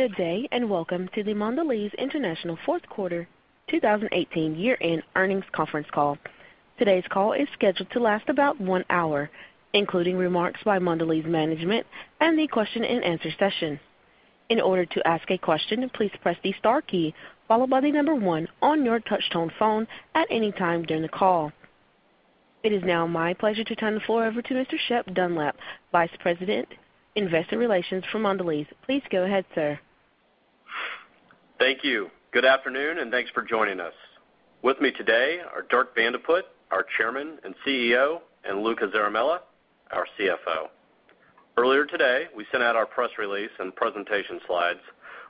Good day, and welcome to the Mondelēz International Fourth Quarter 2018 Year-End Earnings Conference Call. Today's call is scheduled to last about one hour, including remarks by Mondelēz management and the question-and-answer session. In order to ask a question, please press the star key followed by the number one on your touch tone phone at any time during the call. It is now my pleasure to turn the floor over to Mr. Shep Dunlap, Vice President, Investor Relations for Mondelēz. Please go ahead, sir. Thank you. Good afternoon, and thanks for joining us. With me today are Dirk Van de Put, our Chairman and CEO, and Luca Zaramella, our CFO. Earlier today, we sent out our press release and presentation slides,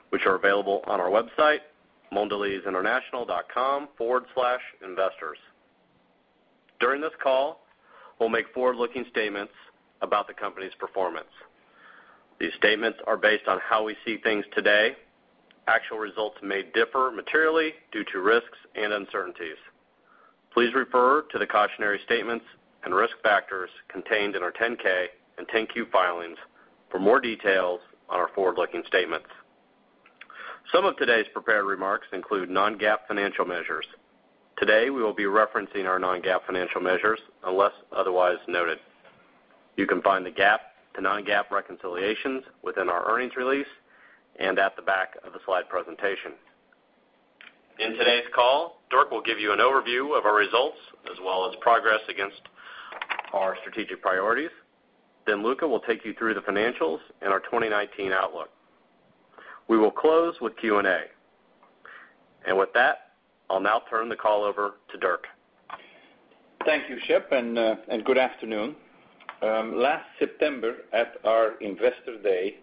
which are available on our website, mondelezinternational.com/investors. During this call, we'll make forward-looking statements about the company's performance. These statements are based on how we see things today. Actual results may differ materially due to risks and uncertainties. Please refer to the cautionary statements and risk factors contained in our 10-K and 10-Q filings for more details on our forward-looking statements. Some of today's prepared remarks include non-GAAP financial measures. Today, we will be referencing our non-GAAP financial measures unless otherwise noted. You can find the GAAP to non-GAAP reconciliations within our earnings release and at the back of the slide presentation. In today's call, Dirk will give you an overview of our results as well as progress against our strategic priorities. Luca will take you through the financials and our 2019 outlook. We will close with Q&A. With that, I'll now turn the call over to Dirk. Thank you, Shep, and good afternoon. Last September at our Investor Day,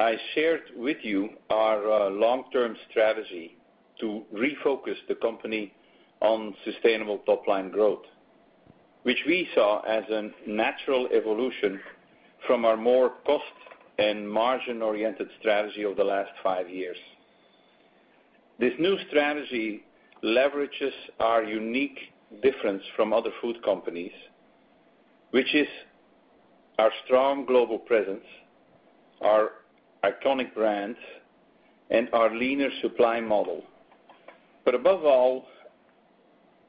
I shared with you our long-term strategy to refocus the company on sustainable top-line growth, which we saw as a natural evolution from our more cost and margin-oriented strategy over the last five years. This new strategy leverages our unique difference from other food companies, which is our strong global presence, our iconic brands, and our leaner supply model. Above all,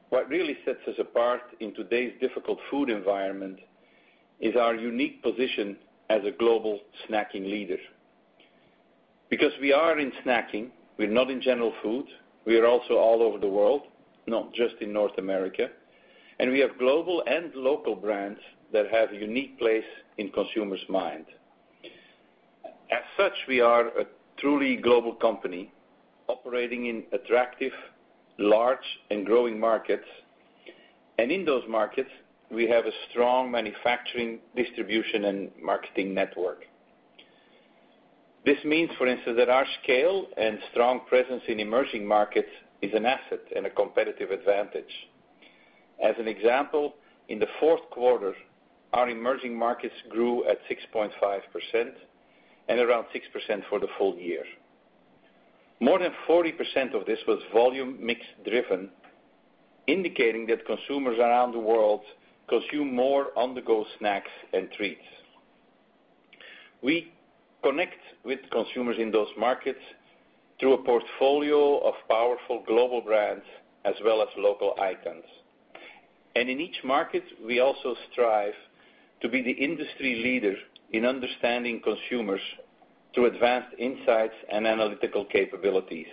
what really sets us apart in today's difficult food environment is our unique position as a global snacking leader. We are in snacking, we're not in general food. We are also all over the world, not just in North America, and we have global and local brands that have a unique place in consumer's mind. As such, we are a truly global company operating in attractive, large, and growing markets. In those markets, we have a strong manufacturing, distribution, and marketing network. This means, for instance, that our scale and strong presence in emerging markets is an asset and a competitive advantage. As an example, in the fourth quarter, our emerging markets grew at 6.5% and around 6% for the full year. More than 40% of this was volume mix driven, indicating that consumers around the world consume more on-the-go snacks and treats. In each market, we also strive to be the industry leader in understanding consumers through advanced insights and analytical capabilities.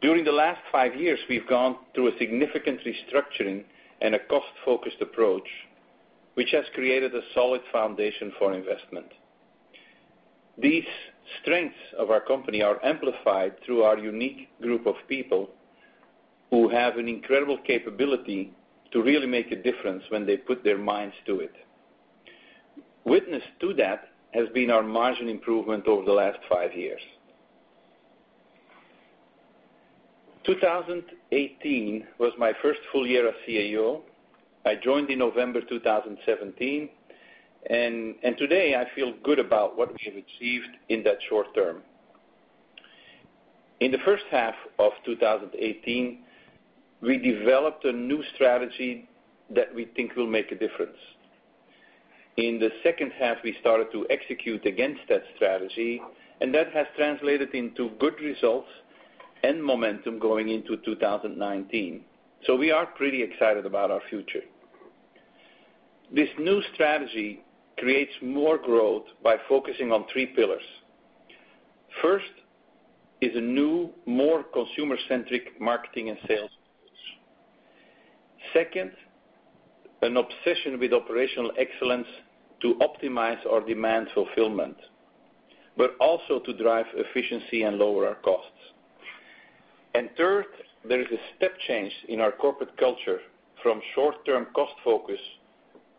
During the last five years, we've gone through a significant restructuring and a cost-focused approach, which has created a solid foundation for investment. These strengths of our company are amplified through our unique group of people who have an incredible capability to really make a difference when they put their minds to it. Witness to that has been our margin improvement over the last five years. 2018 was my first full year as CEO. I joined in November 2017, and today I feel good about what we have achieved in that short term. In the first half of 2018, we developed a new strategy that we think will make a difference. In the second half, we started to execute against that strategy, and that has translated into good results and momentum going into 2019. We are pretty excited about our future. This new strategy creates more growth by focusing on three pillars. First, a new, more consumer-centric marketing and sales approach. Second, an obsession with operational excellence to optimize our demand fulfillment, but also to drive efficiency and lower our costs. Third, there is a step change in our corporate culture from short-term cost focus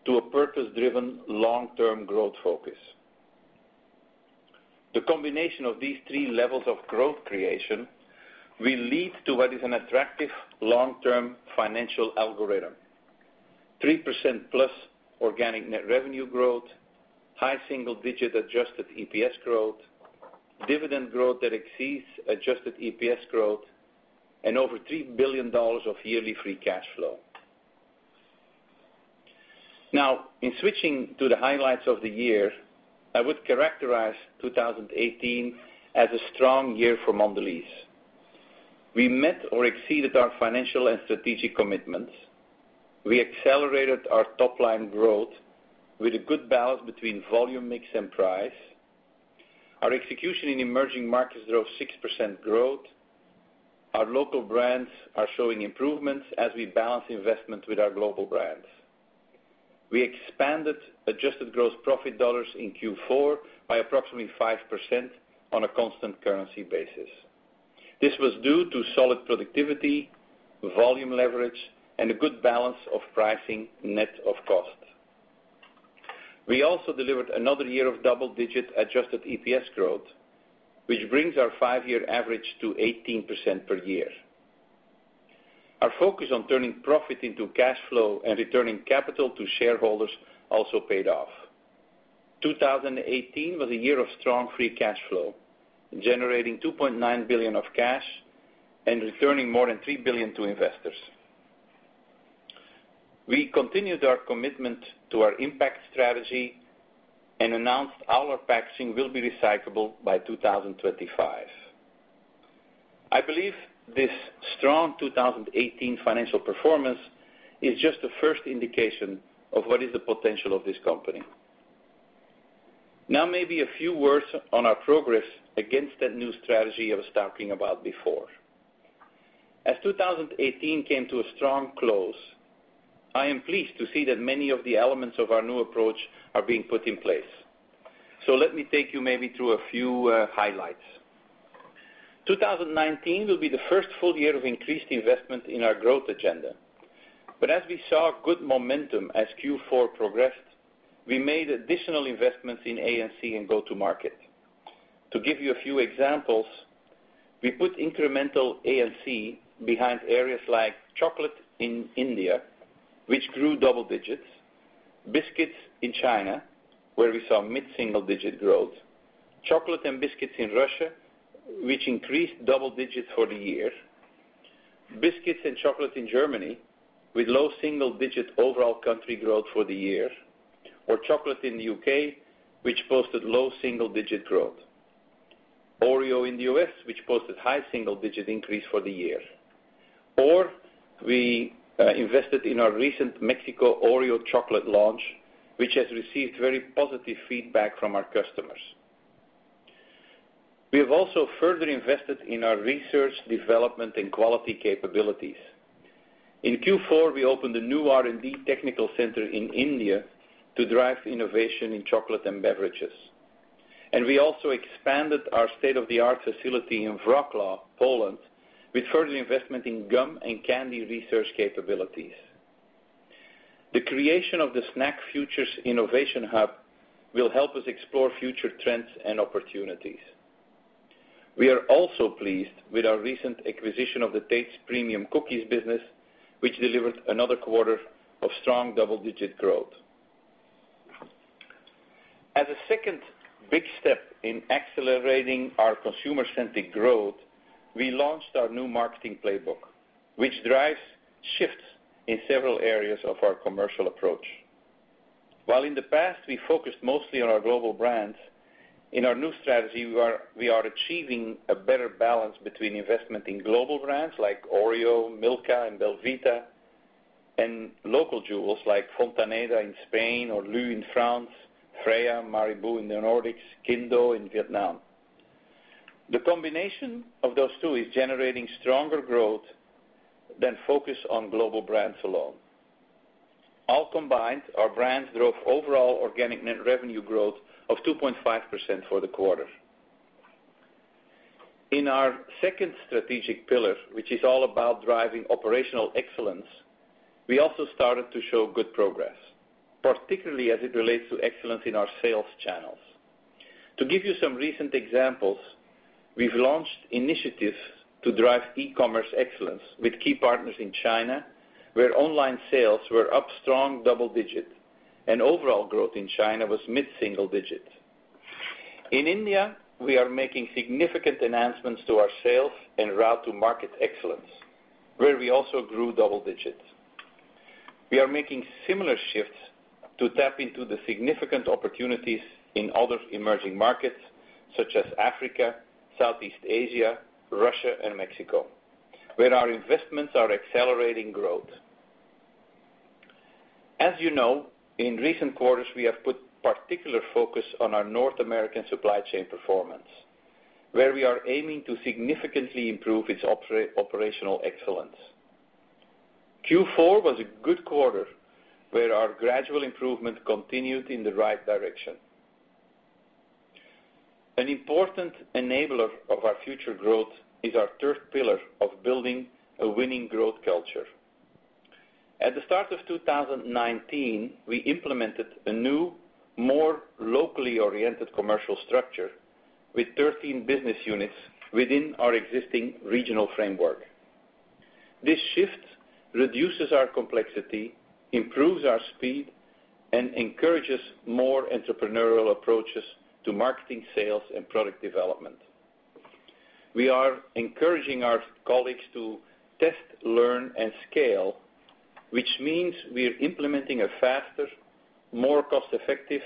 to a purpose-driven long-term growth focus. The combination of these three levels of growth creation will lead to what is an attractive long-term financial algorithm. 3%+ organic net revenue growth, high single-digit adjusted EPS growth, dividend growth that exceeds adjusted EPS growth, and over $3 billion of yearly free cash flow. Now, in switching to the highlights of the year, I would characterize 2018 as a strong year for Mondelēz. We met or exceeded our financial and strategic commitments. We accelerated our top-line growth with a good balance between volume, mix, and price. Our execution in emerging markets drove 6% growth. Our local brands are showing improvements as we balance investment with our global brands. We expanded adjusted gross profit dollars in Q4 by approximately 5% on a constant currency basis. This was due to solid productivity, volume leverage, and a good balance of pricing net of cost. We also delivered another year of double-digit adjusted EPS growth, which brings our five-year average to 18% per year. Our focus on turning profit into cash flow and returning capital to shareholders also paid off. 2018 was a year of strong free cash flow, generating $2.9 billion of cash and returning more than $3 billion to investors. We continued our commitment to our impact strategy and announced all our packaging will be recyclable by 2025. I believe this strong 2018 financial performance is just the first indication of what is the potential of this company. Now, maybe a few words on our progress against that new strategy I was talking about before. As 2018 came to a strong close, I am pleased to see that many of the elements of our new approach are being put in place. Let me take you maybe through a few highlights. 2019 will be the first full year of increased investment in our growth agenda. As we saw good momentum as Q4 progressed, we made additional investments in A&C and go-to-market. To give you a few examples, we put incremental A&C behind areas like chocolate in India, which grew double digits, biscuits in China, where we saw mid-single-digit growth, chocolate and biscuits in Russia, which increased double digits for the year, biscuits and chocolate in Germany, with low single-digit overall country growth for the year, or chocolate in the U.K., which posted low single-digit growth, Oreo in the U.S., which posted high single-digit increase for the year. We invested in our recent Mexico Oreo chocolate launch, which has received very positive feedback from our customers. We have also further invested in our research, development, and quality capabilities. In Q4, we opened a new R&D technical center in India to drive innovation in chocolate and beverages. We also expanded our state-of-the-art facility in Wrocław, Poland with further investment in gum and candy research capabilities. The creation of the SnackFutures Innovation Hub will help us explore future trends and opportunities. We are also pleased with our recent acquisition of the Tate's Bake Shop business, which delivered another quarter of strong double-digit growth. As a second big step in accelerating our consumer-centric growth, we launched our new marketing playbook, which drives shifts in several areas of our commercial approach. While in the past, we focused mostly on our global brands, in our new strategy, we are achieving a better balance between investment in global brands like Oreo, Milka, and belVita, and local jewels like Fontaneda in Spain or LU in France, Freia, Marabou in the Nordics, Kinh Do in Vietnam. The combination of those two is generating stronger growth than focus on global brands alone. All combined, our brands drove overall organic net revenue growth of 2.5% for the quarter. In our second strategic pillar, which is all about driving operational excellence, we also started to show good progress, particularly as it relates to excellence in our sales channels. To give you some recent examples, we've launched initiatives to drive e-commerce excellence with key partners in China, where online sales were up strong double digits, and overall growth in China was mid-single digits. In India, we are making significant enhancements to our sales and route-to-market excellence, where we also grew double digits. We are making similar shifts to tap into the significant opportunities in other emerging markets such as Africa, Southeast Asia, Russia, and Mexico, where our investments are accelerating growth. As you know, in recent quarters, we have put particular focus on our North American supply chain performance, where we are aiming to significantly improve its operational excellence. Q4 was a good quarter where our gradual improvement continued in the right direction. An important enabler of our future growth is our third pillar of building a winning growth culture. At the start of 2019, we implemented a new, more locally oriented commercial structure with 13 business units within our existing regional framework. This shift reduces our complexity, improves our speed, and encourages more entrepreneurial approaches to marketing, sales, and product development. We are encouraging our colleagues to test, learn, and scale, which means we are implementing a faster, more cost-effective,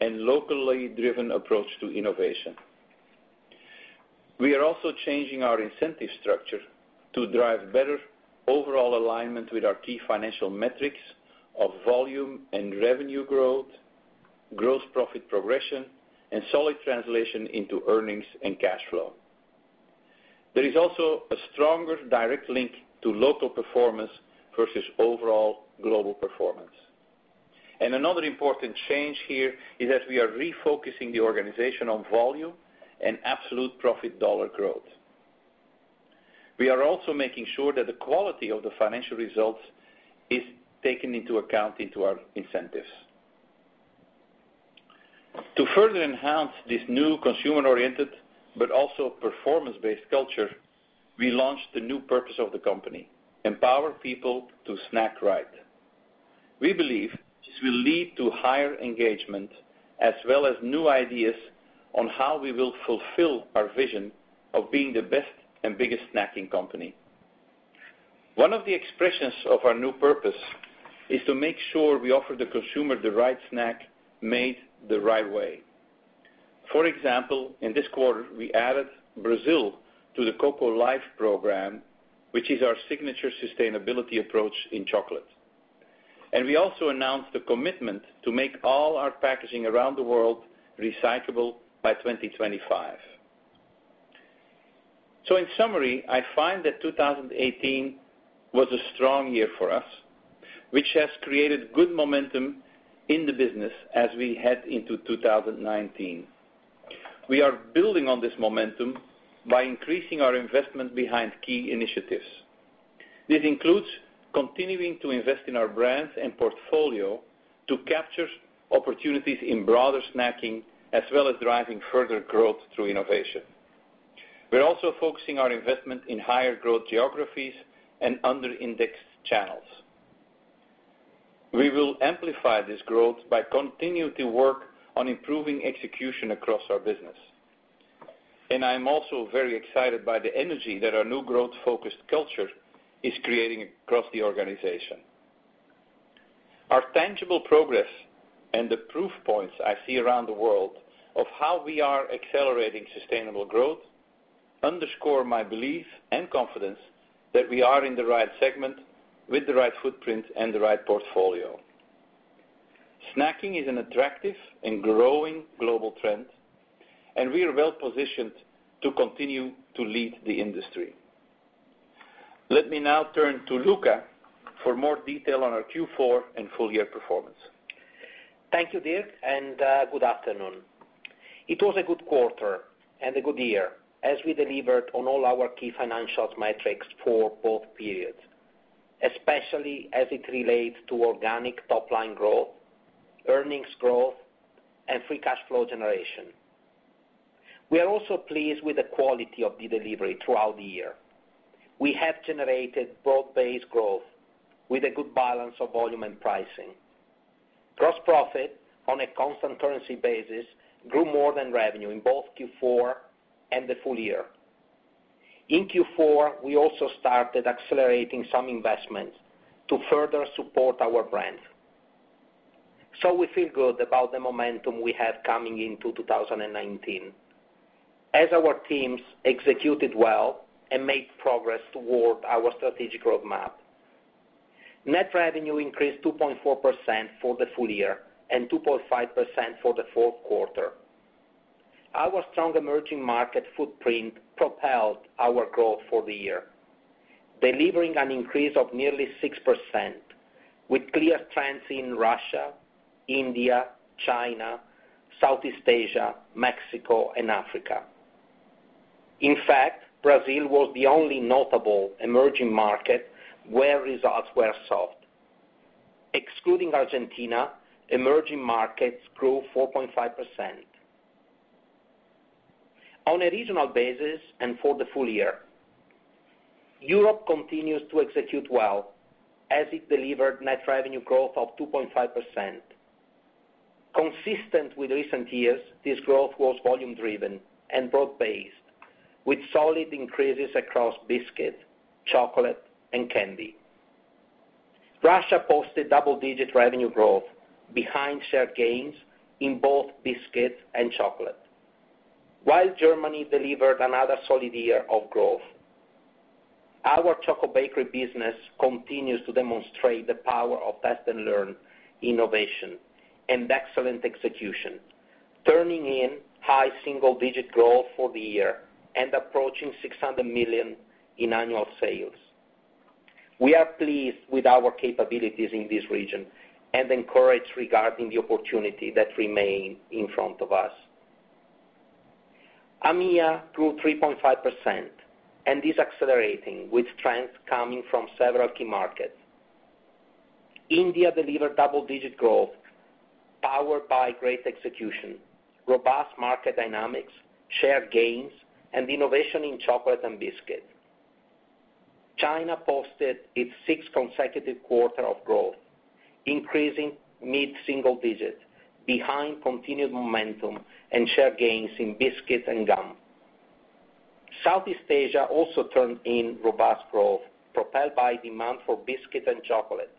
and locally driven approach to innovation. We are also changing our incentive structure to drive better overall alignment with our key financial metrics of volume and revenue growth, gross profit progression, and solid translation into earnings and cash flow. There is also a stronger direct link to local performance versus overall global performance. Another important change here is that we are refocusing the organization on volume and absolute profit dollar growth. We are also making sure that the quality of the financial results is taken into account into our incentives. To further enhance this new consumer-oriented but also performance-based culture, we launched the new purpose of the company, empower people to snack right. We believe this will lead to higher engagement as well as new ideas on how we will fulfill our vision of being the best and biggest snacking company. One of the expressions of our new purpose is to make sure we offer the consumer the right snack, made the right way. For example, in this quarter, we added Brazil to the Cocoa Life program, which is our signature sustainability approach in chocolate. We also announced the commitment to make all our packaging around the world recyclable by 2025. In summary, I find that 2018 was a strong year for us, which has created good momentum in the business as we head into 2019. We are building on this momentum by increasing our investment behind key initiatives. This includes continuing to invest in our brands and portfolio to capture opportunities in broader snacking, as well as driving further growth through innovation. We're also focusing our investment in higher growth geographies and under-indexed channels. We will amplify this growth by continuing to work on improving execution across our business. I'm also very excited by the energy that our new growth-focused culture is creating across the organization. Our tangible progress and the proof points I see around the world of how we are accelerating sustainable growth underscore my belief and confidence that we are in the right segment with the right footprint and the right portfolio. Snacking is an attractive and growing global trend, and we are well-positioned to continue to lead the industry. Let me now turn to Luca for more detail on our Q4 and full-year performance. Thank you, Dirk, and good afternoon. It was a good quarter and a good year as we delivered on all our key financial metrics for both periods, especially as it relates to organic top-line growth, earnings growth, and free cash flow generation. We are also pleased with the quality of the delivery throughout the year. We have generated broad-based growth with a good balance of volume and pricing. Gross profit on a constant currency basis grew more than revenue in both Q4 and the full year. In Q4, we also started accelerating some investments to further support our brands. We feel good about the momentum we have coming into 2019 as our teams executed well and made progress toward our strategic roadmap. Net revenue increased 2.4% for the full year and 2.5% for the fourth quarter. Our strong emerging market footprint propelled our growth for the year, delivering an increase of nearly 6% with clear trends in Russia, India, China, Southeast Asia, Mexico, and Africa. In fact, Brazil was the only notable emerging market where results were soft. Excluding Argentina, emerging markets grew 4.5%. On a regional basis and for the full year, Europe continues to execute well as it delivered net revenue growth of 2.5%. Consistent with recent years, this growth was volume driven and broad-based, with solid increases across biscuit, chocolate, and candy. Russia posted double-digit revenue growth behind share gains in both biscuits and chocolate. While Germany delivered another solid year of growth, our Choco Bakery business continues to demonstrate the power of test-and-learn innovation and excellent execution, turning in high single-digit growth for the year and approaching $600 million in annual sales. We are pleased with our capabilities in this region and encouraged regarding the opportunity that remain in front of us. EMEA grew 3.5% and is accelerating, with trends coming from several key markets. India delivered double-digit growth powered by great execution, robust market dynamics, share gains, and innovation in chocolate and biscuits. China posted its sixth consecutive quarter of growth, increasing mid-single digit behind continued momentum and share gains in biscuits and gum. Southeast Asia also turned in robust growth, propelled by demand for biscuits and chocolate,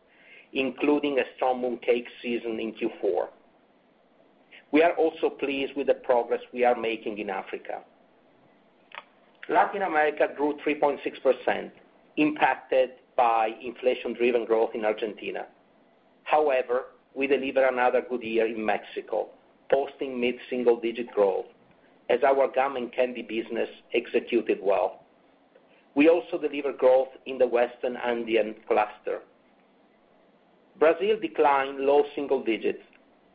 including a strong mooncake season in Q4. We are also pleased with the progress we are making in Africa. Latin America grew 3.6%, impacted by inflation-driven growth in Argentina. We delivered another good year in Mexico, posting mid-single digit growth as our gum and candy business executed well. We also delivered growth in the Western Andean cluster. Brazil declined low single digits,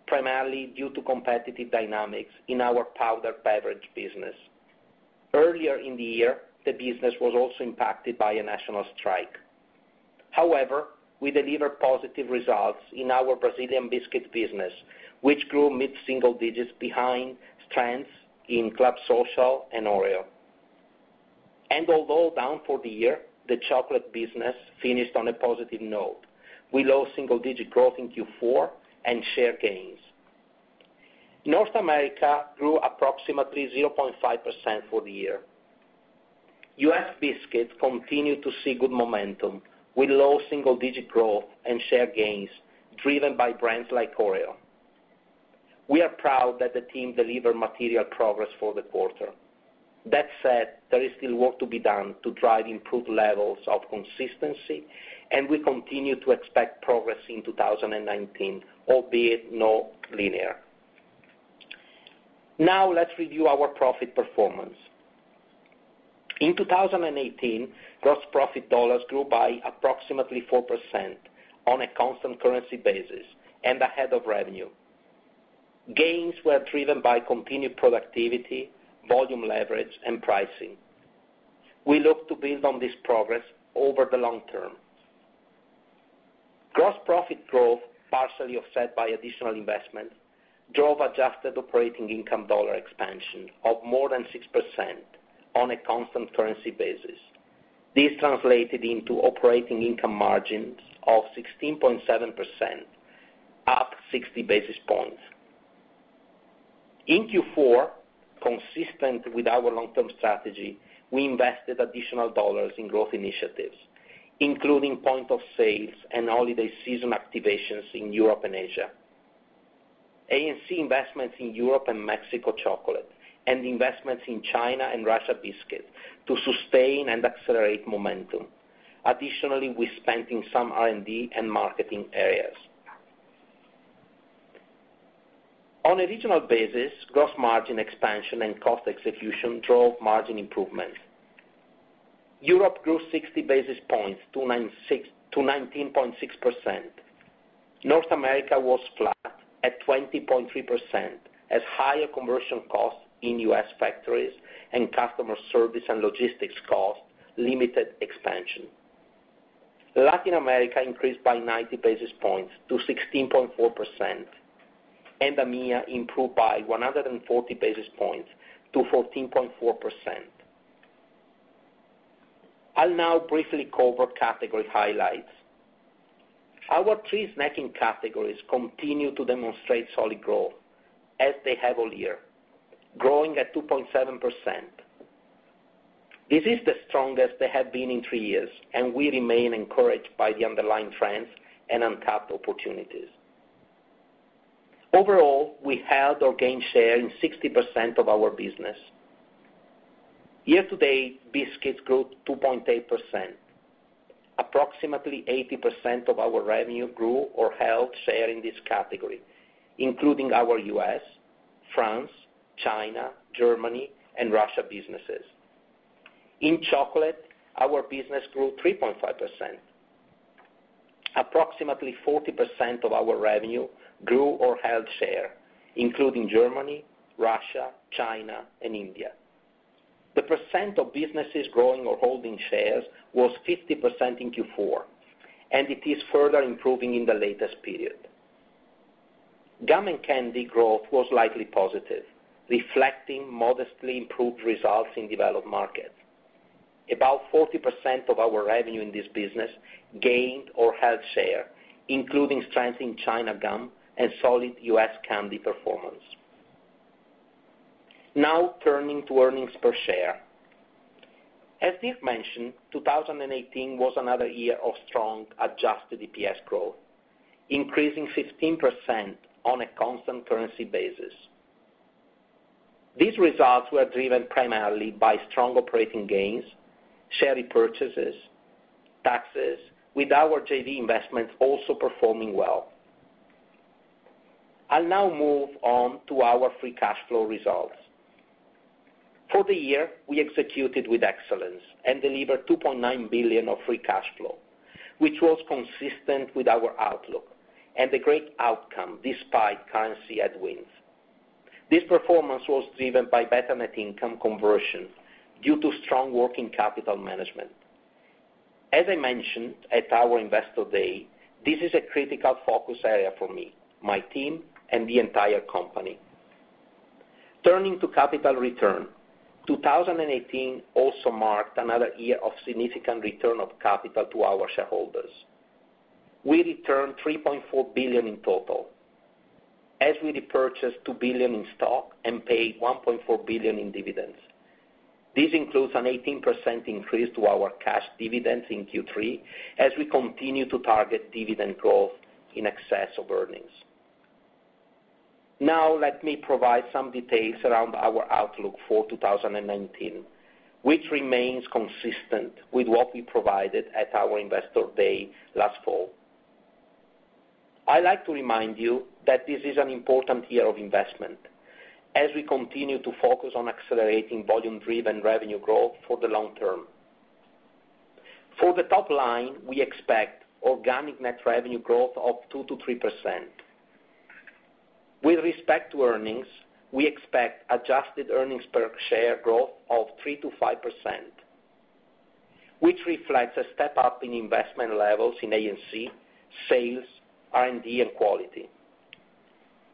primarily due to competitive dynamics in our powder beverage business. Earlier in the year, the business was also impacted by a national strike. We delivered positive results in our Brazilian biscuit business, which grew mid-single digits behind trends in Club Social and Oreo. Although down for the year, the chocolate business finished on a positive note with low single-digit growth in Q4 and share gains. North America grew approximately 0.5% for the year. U.S. biscuits continued to see good momentum with low single-digit growth and share gains driven by brands like Oreo. We are proud that the team delivered material progress for the quarter. That said, there is still work to be done to drive improved levels of consistency, and we continue to expect progress in 2019, albeit not linear. Now let's review our profit performance. In 2018, gross profit dollars grew by approximately 4% on a constant currency basis and ahead of revenue. Gains were driven by continued productivity, volume leverage, and pricing. We look to build on this progress over the long term. Gross profit growth, partially offset by additional investment, drove adjusted operating income dollar expansion of more than 6% on a constant currency basis. This translated into operating income margins of 16.7%, up 60 basis points. In Q4, consistent with our long-term strategy, we invested additional dollars in growth initiatives, including point-of-sales and holiday season activations in Europe and Asia, A&C investments in Europe and Mexico chocolate, and investments in China and Russia biscuit to sustain and accelerate momentum. Additionally, we spent in some R&D and marketing areas. On a regional basis, gross margin expansion and cost execution drove margin improvement. Europe grew 60 basis points to 19.6%. North America was flat at 20.3% as higher conversion costs in U.S. factories and customer service and logistics costs limited expansion. Latin America increased by 90 basis points to 16.4%, and EMEA improved by 140 basis points to 14.4%. I'll now briefly cover category highlights. Our three snacking categories continue to demonstrate solid growth as they have all year, growing at 2.7%. This is the strongest they have been in three years, and we remain encouraged by the underlying trends and untapped opportunities. Overall, we held or gained share in 60% of our business. Year-to-date, biscuits grew 2.8%. Approximately 80% of our revenue grew or held share in this category, including our U.S., France, China, Germany, and Russia businesses. In chocolate, our business grew 3.5%. Approximately 40% of our revenue grew or held share, including Germany, Russia, China, and India. The percent of businesses growing or holding shares was 50% in Q4, and it is further improving in the latest period. Gum and candy growth was likely positive, reflecting modestly improved results in developed markets. About 40% of our revenue in this business gained or held share, including strength in China gum and solid U.S. candy performance. Now turning to earnings per share. As Dirk mentioned, 2018 was another year of strong adjusted EPS growth, increasing 15% on a constant currency basis. These results were driven primarily by strong operating gains, share repurchases, taxes, with our JDE investments also performing well. I'll now move on to our free cash flow results. For the year, we executed with excellence and delivered $2.9 billion of free cash flow, which was consistent with our outlook and a great outcome despite currency headwinds. This performance was driven by better net income conversion due to strong working capital management. As I mentioned at our Investor Day, this is a critical focus area for me, my team, and the entire company. Turning to capital return. 2018 also marked another year of significant return of capital to our shareholders. We returned $3.4 billion in total as we repurchased $2 billion in stock and paid $1.4 billion in dividends. This includes an 18% increase to our cash dividends in Q3 as we continue to target dividend growth in excess of earnings. Now, let me provide some details around our outlook for 2019, which remains consistent with what we provided at our investor day last fall. I like to remind you that this is an important year of investment as we continue to focus on accelerating volume-driven revenue growth for the long term. For the top line, we expect organic net revenue growth of 2%-3%. With respect to earnings, we expect adjusted earnings per share growth of 3%-5%, which reflects a step up in investment levels in A&C, sales, R&D, and quality.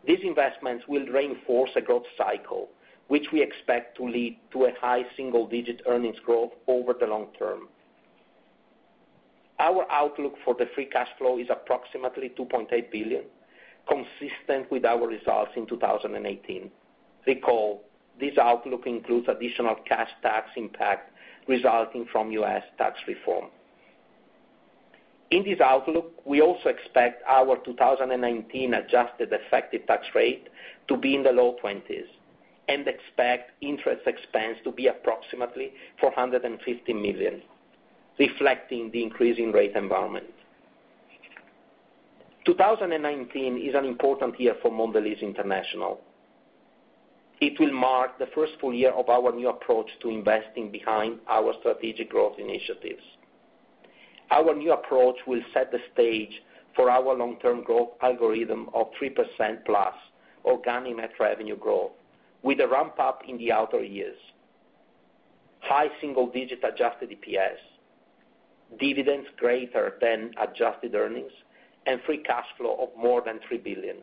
These investments will reinforce a growth cycle, which we expect to lead to a high single-digit earnings growth over the long term. Our outlook for the free cash flow is approximately $2.8 billion, consistent with our results in 2018. Recall, this outlook includes additional cash tax impact resulting from U.S. tax reform. In this outlook, we also expect our 2019 adjusted effective tax rate to be in the low 20s and expect interest expense to be approximately $450 million, reflecting the increasing rate environment. 2019 is an important year for Mondelēz International. It will mark the first full year of our new approach to investing behind our strategic growth initiatives. Our new approach will set the stage for our long-term growth algorithm of 3%+ organic net revenue growth with a ramp-up in the outer years. High single-digit adjusted EPS, dividends greater than adjusted earnings, and free cash flow of more than $3 billion.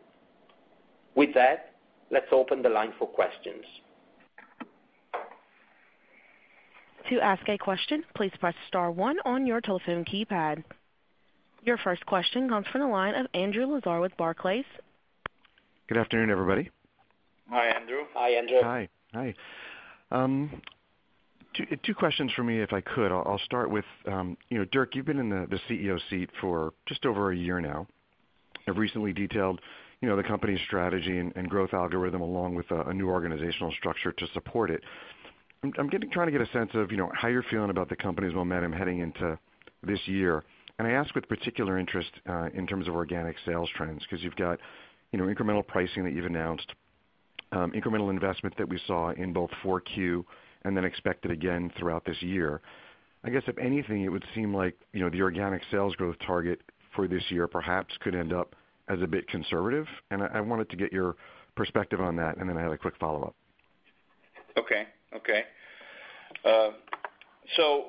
Let's open the line for questions. To ask a question, please press star one on your telephone keypad. Your first question comes from the line of Andrew Lazar with Barclays. Good afternoon, everybody. Hi, Andrew. Hi, Andrew. Hi. Two questions from me, if I could. I'll start with, Dirk, you've been in the CEO seat for just over a year now. Have recently detailed the company's strategy and growth algorithm along with a new organizational structure to support it. I'm trying to get a sense of how you're feeling about the company's momentum heading into this year. I ask with particular interest in terms of organic sales trends, because you've got incremental pricing that you've announced, incremental investment that we saw in both 4Q and then expected again throughout this year. I guess if anything, it would seem like the organic sales growth target for this year perhaps could end up as a bit conservative, and I wanted to get your perspective on that, and then I had a quick follow-up. Okay.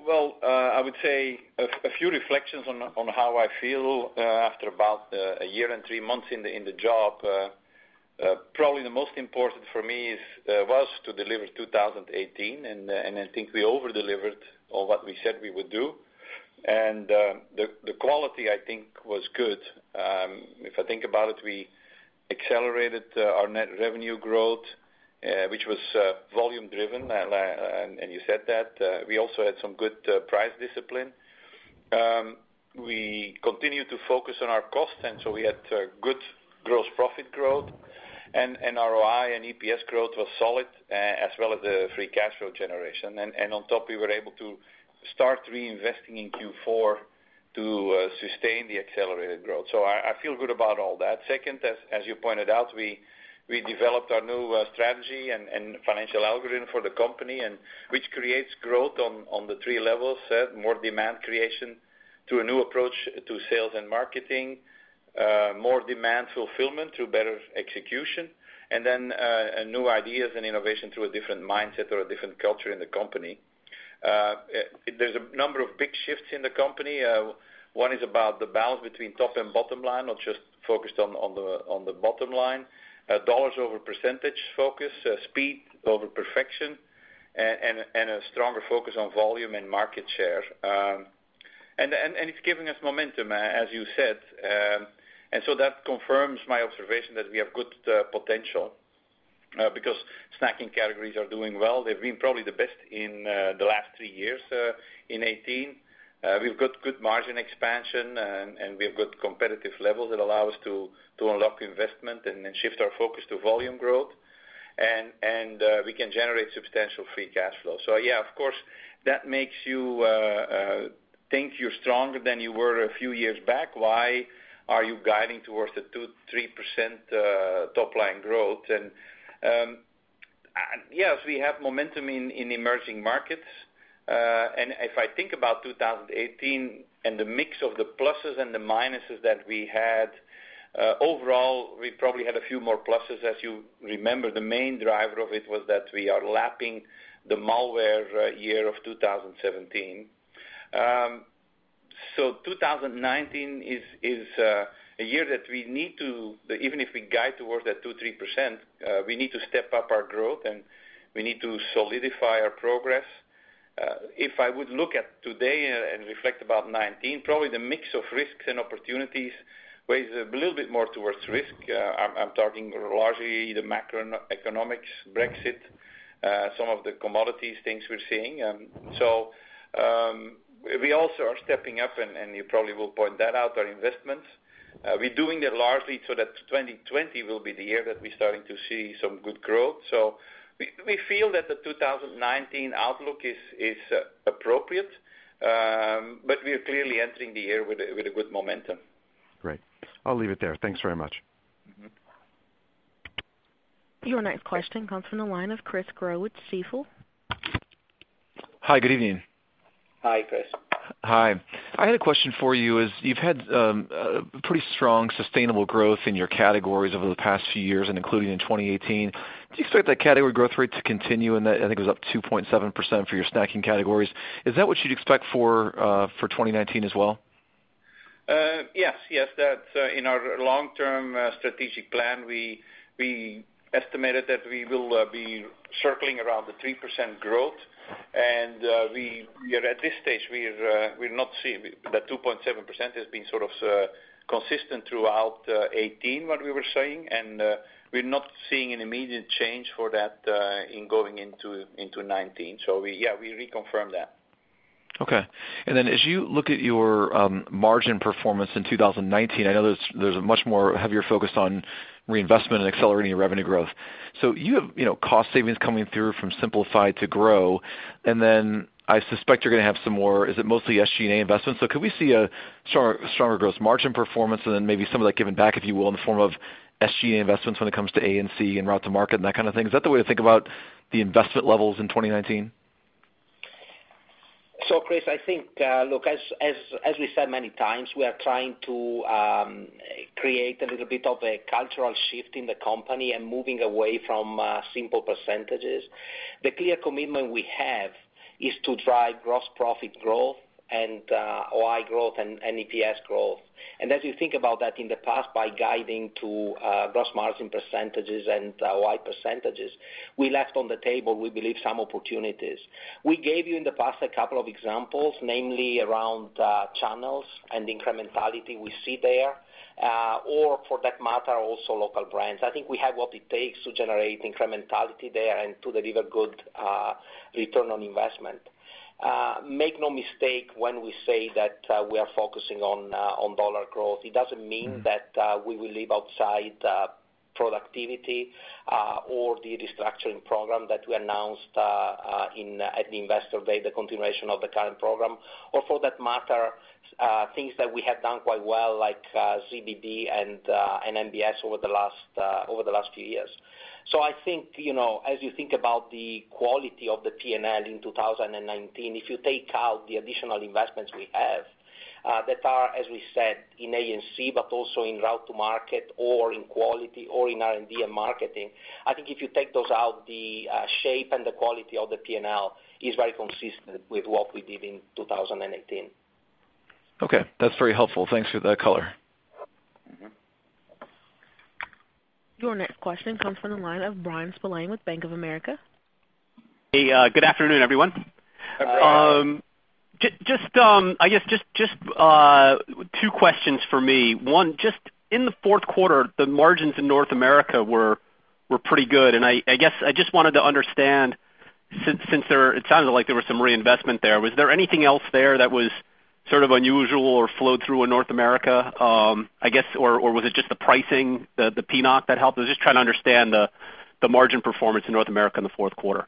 Well, I would say a few reflections on how I feel after about a year and three months in the job. Probably the most important for me was to deliver 2018, and I think we over-delivered on what we said we would do. The quality, I think, was good. If I think about it, we accelerated our net revenue growth, which was volume driven, and you said that. We also had some good price discipline. We continued to focus on our cost, and so we had good gross profit growth, and ROI and EPS growth was solid, as well as the free cash flow generation. On top, we were able to start reinvesting in Q4 to sustain the accelerated growth. I feel good about all that. Second, as you pointed out, we developed our new strategy and financial algorithm for the company, which creates growth on the three levels, more demand creation through a new approach to sales and marketing, more demand fulfillment through better execution, and new ideas and innovation through a different mindset or a different culture in the company. There's a number of big shifts in the company. One is about the balance between top and bottom line, not just focused on the bottom line. Dollars over percentage focus, speed over perfection, and a stronger focus on volume and market share. It's giving us momentum, as you said. That confirms my observation that we have good potential, because snacking categories are doing well. They've been probably the best in the last three years in 2018. We've got good margin expansion, and we have good competitive leverage that allow us to unlock investment and shift our focus to volume growth. We can generate substantial free cash flow. Yeah, of course, that makes you think you're stronger than you were a few years back. Why are you guiding towards the 2%-3% top-line growth? Yes, we have momentum in emerging markets. If I think about 2018 and the mix of the pluses and the minuses that we had, overall, we probably had a few more pluses. As you remember, the main driver of it was that we are lapping the Malware year of 2017. 2019 is a year that, even if we guide towards that 2%-3%, we need to step up our growth, and we need to solidify our progress. If I would look at today and reflect about 2019, probably the mix of risks and opportunities weighs a little bit more towards risk. I'm talking largely the macroeconomics, Brexit, some of the commodities things we're seeing. We also are stepping up, and you probably will point that out, our investments. We're doing that largely so that 2020 will be the year that we're starting to see some good growth. We feel that the 2019 outlook is appropriate, but we are clearly entering the year with a good momentum. Great. I'll leave it there. Thanks very much. Your next question comes from the line of Chris Growe with Stifel. Hi, good evening. Hi, Chris. Hi. I had a question for you, as you've had pretty strong, sustainable growth in your categories over the past few years and including in 2018. Do you expect that category growth rate to continue, and I think it was up 2.7% for your snacking categories. Is that what you'd expect for 2019 as well? Yes. That in our long-term strategic plan, we estimated that we will be circling around the 3% growth. We are at this stage, that 2.7% has been sort of consistent throughout 2018, what we were saying. We're not seeing an immediate change for that in going into 2019. Yeah, we reconfirm that. Okay. As you look at your margin performance in 2019, I know there's a much more heavier focus on reinvestment and accelerating your revenue growth. You have cost savings coming through from Simplify to Grow. I suspect you're going to have some more, is it mostly SG&A investments? Could we see a stronger gross margin performance and then maybe some of that given back, if you will, in the form of SG&A investments when it comes to A&C and route to market and that kind of thing? Is that the way to think about the investment levels in 2019? Chris, I think, look, as we said many times, we are trying to create a little bit of a cultural shift in the company and moving away from simple percentages. The clear commitment we have is to drive gross profit growth and OI growth and EPS growth. As you think about that in the past, by guiding to gross margin percentages and OI percentages, we left on the table, we believe, some opportunities. We gave you in the past a couple of examples, mainly around channels and incrementality we see there, or for that matter, also local brands. I think we have what it takes to generate incrementality there and to deliver good return on investment. Make no mistake when we say that we are focusing on dollar growth, it doesn't mean that we will leave outside productivity or the destructuring program that we announced at the investor day, the continuation of the current program, or for that matter, things that we have done quite well, like ZBB and MBS over the last few years. I think, as you think about the quality of the P&L in 2019, if you take out the additional investments we have that are, as we said, in A&C but also in route to market or in quality or in R&D and marketing, I think if you take those out, the shape and the quality of the P&L is very consistent with what we did in 2018. Okay, that's very helpful. Thanks for that color. Your next question comes from the line of Bryan Spillane with Bank of America. Hey, good afternoon, everyone. Hi, Bryan. I guess just two questions for me. One, just in the fourth quarter, the margins in North America were pretty good, and I guess I just wanted to understand since it sounded like there was some reinvestment there. Was there anything else there that was sort of unusual or flowed through in North America? Or was it just the pricing, the PNOC that helped? I was just trying to understand the margin performance in North America in the fourth quarter.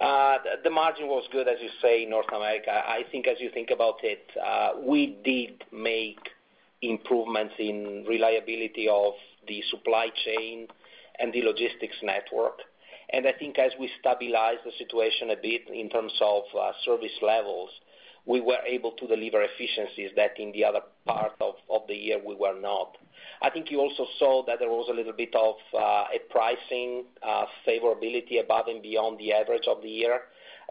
The margin was good, as you say, in North America. I think as you think about it, we did make improvements in reliability of the supply chain and the logistics network. I think as we stabilize the situation a bit in terms of service levels, we were able to deliver efficiencies that in the other part of the year we were not. I think you also saw that there was a little bit of a pricing favorability above and beyond the average of the year.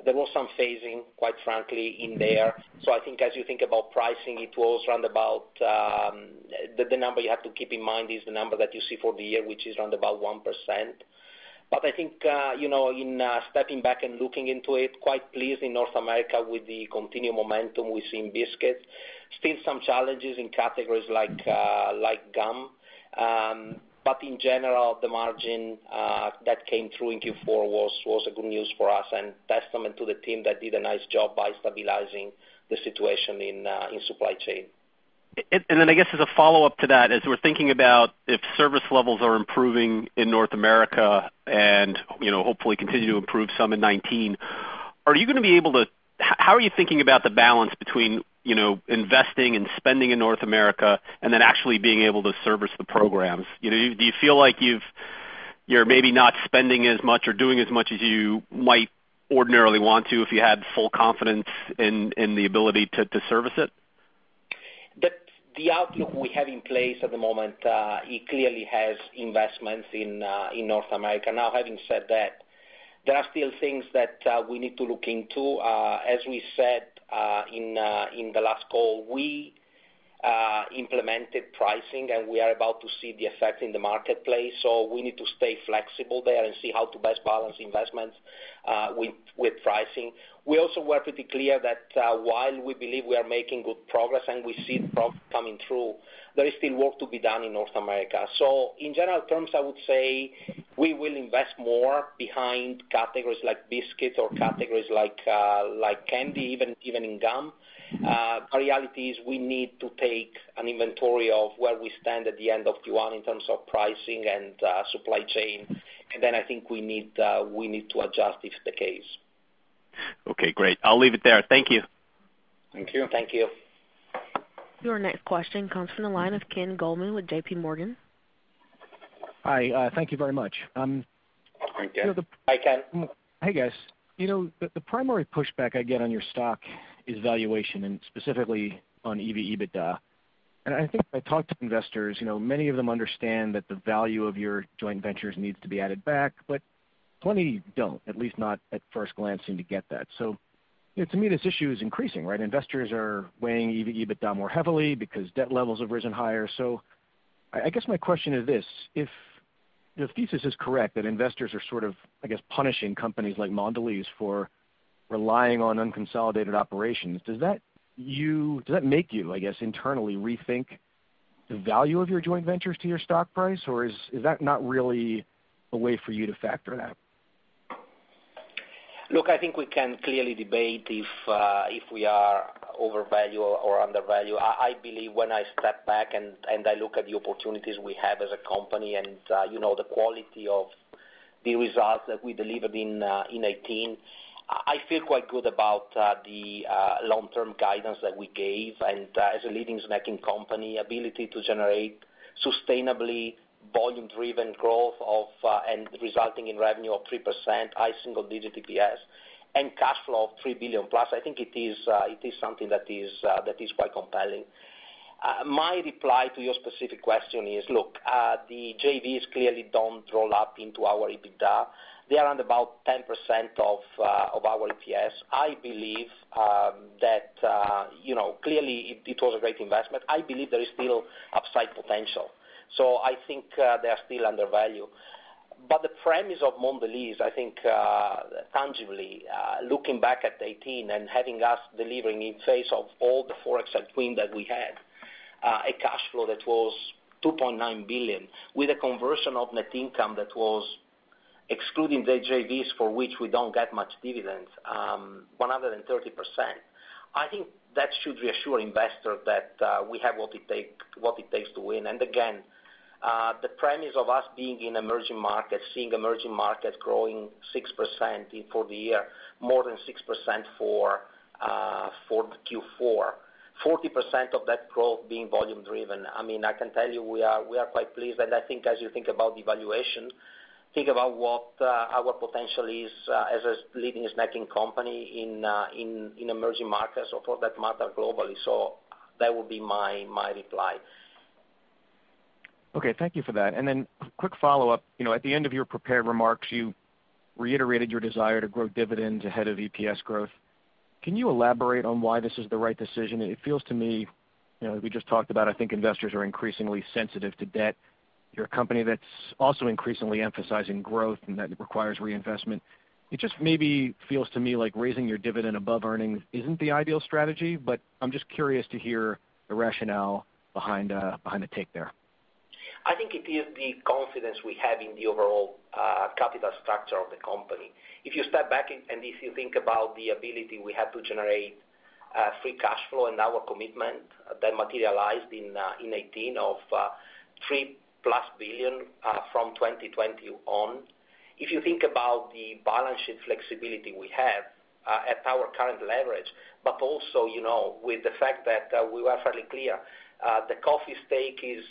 There was some phasing, quite frankly, in there. I think as you think about pricing, the number you have to keep in mind is the number that you see for the year, which is around about 1%. I think in stepping back and looking into it, quite pleased in North America with the continued momentum we see in biscuits. Still some challenges in categories like gum. In general, the margin that came through in Q4 was a good news for us and testament to the team that did a nice job by stabilizing the situation in supply chain. I guess as a follow-up to that, as we're thinking about if service levels are improving in North America and hopefully continue to improve some in 2019, how are you thinking about the balance between investing and spending in North America and then actually being able to service the programs? Do you feel like you're maybe not spending as much or doing as much as you might ordinarily want to if you had full confidence in the ability to service it? The outlook we have in place at the moment, it clearly has investments in North America. Having said that, there are still things that we need to look into. As we said in the last call, we implemented pricing, and we are about to see the effect in the marketplace. We need to stay flexible there and see how to best balance investments with pricing. We also were pretty clear that while we believe we are making good progress and we see progress coming through, there is still work to be done in North America. In general terms, I would say we will invest more behind categories like biscuits or categories like candy, even in gum. The reality is we need to take an inventory of where we stand at the end of Q1 in terms of pricing and supply chain, and then I think we need to adjust if the case. Okay, great. I'll leave it there. Thank you. Thank you. Your next question comes from the line of Ken Goldman with J.P. Morgan. Hi, thank you very much. Hi, Ken. Hi, Ken. Hey, guys. The primary pushback I get on your stock is valuation and specifically on EBITDA. I think when I talk to investors, many of them understand that the value of your joint ventures needs to be added back, but plenty don't, at least not at first glance seem to get that. To me, this issue is increasing, right? Investors are weighing EBITDA more heavily because debt levels have risen higher. I guess my question is this: if the thesis is correct that investors are sort of, I guess, punishing companies like Mondelēz for relying on unconsolidated operations, does that make you, I guess, internally rethink the value of your joint ventures to your stock price? Or is that not really a way for you to factor that? Look, I think we can clearly debate if we are overvalued or undervalued. I believe when I step back and I look at the opportunities we have as a company and the quality of the results that we delivered in 2018, I feel quite good about the long-term guidance that we gave. As a leading snacking company, ability to generate sustainably volume-driven growth and resulting in revenue of 3%, high single-digit EPS, and cash flow of $3 billion+, I think it is something that is quite compelling. My reply to your specific question is, look, the JVs clearly don't roll up into our EBITDA. They are around about 10% of our EPS. Clearly it was a great investment. I believe there is still upside potential. I think they are still undervalued. The premise of Mondelēz, I think, tangibly, looking back at 2018 and having us delivering in face of all the Forex and headwind that we had, a cash flow that was $2.9 billion with a conversion of net income that was excluding the JVs for which we don't get much dividends, 130%. I think that should reassure investors that we have what it takes to win. Again, the premise of us being in emerging markets, seeing emerging markets growing 6% for the year, more than 6% for Q4, 40% of that growth being volume driven. I can tell you we are quite pleased. I think as you think about the valuation, think about what our potential is as a leading snacking company in emerging markets or for that matter, globally. That would be my reply. Okay. Thank you for that. Then quick follow-up. At the end of your prepared remarks, you reiterated your desire to grow dividends ahead of EPS growth. Can you elaborate on why this is the right decision? It feels to me, we just talked about, I think investors are increasingly sensitive to debt. You're a company that's also increasingly emphasizing growth and that requires reinvestment. It just maybe feels to me like raising your dividend above earnings isn't the ideal strategy. I'm just curious to hear the rationale behind the take there. I think it is the confidence we have in the overall capital structure of the company. If you step back and if you think about the ability we have to generate free cash flow and our commitment that materialized in 2018 of $3+ billion from 2020 on. If you think about the balance sheet flexibility we have at our current leverage, but also, with the fact that we were fairly clear, the coffee stake is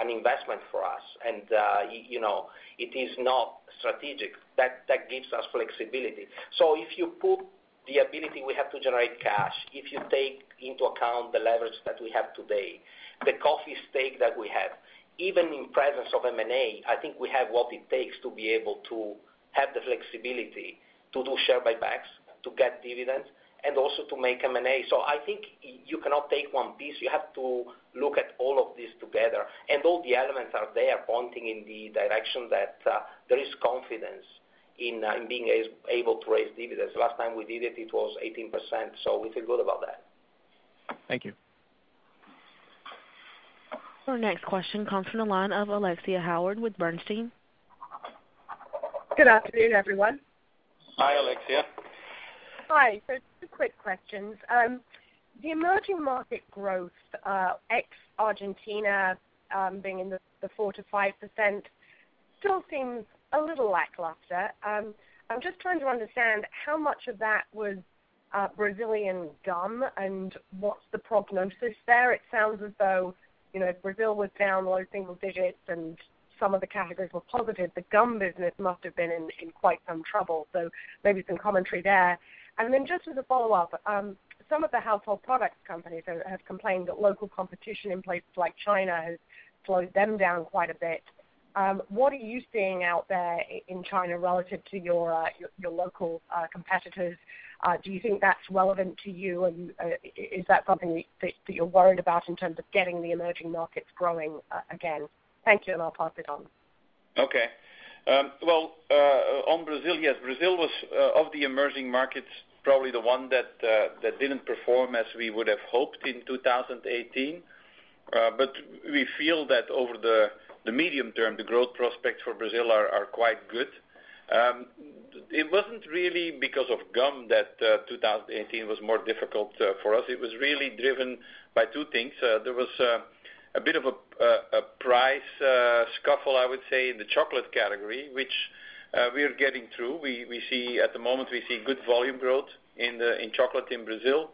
an investment for us and it is not strategic. That gives us flexibility. If you put the ability we have to generate cash, if you take into account the leverage that we have today, the coffee stake that we have, even in presence of M&A, I think we have what it takes to be able to have the flexibility to do share buybacks, to get dividends, and also to make M&A. I think you cannot take one piece. You have to look at all of this together. All the elements are there pointing in the direction that there is confidence in being able to raise dividends. Last time we did it was 18%. We feel good about that. Thank you. Our next question comes from the line of Alexia Howard with Bernstein. Good afternoon, everyone. Hi, Alexia. Hi. Two quick questions. The emerging market growth ex Argentina, being in the 4%-5%, still seems a little lackluster. I'm just trying to understand how much of that was Brazilian gum, and what's the problem? There it sounds as though, if Brazil was down low single digits and some of the categories were positive, the gum business must have been in quite some trouble. Maybe some commentary there. Just as a follow-up, some of the household product companies have complained that local competition in places like China has slowed them down quite a bit. What are you seeing out there in China relative to your local competitors? Do you think that's relevant to you? Is that something that you're worried about in terms of getting the emerging markets growing again? Thank you, and I'll pass it on. Okay. Well, on Brazil, yes. Brazil was, of the emerging markets, probably the one that didn't perform as we would have hoped in 2018. We feel that over the medium term, the growth prospects for Brazil are quite good. It wasn't really because of gum that 2018 was more difficult for us. It was really driven by two things. There was a bit of a price scuffle, I would say, in the chocolate category, which we are getting through. At the moment, we see good volume growth in chocolate in Brazil.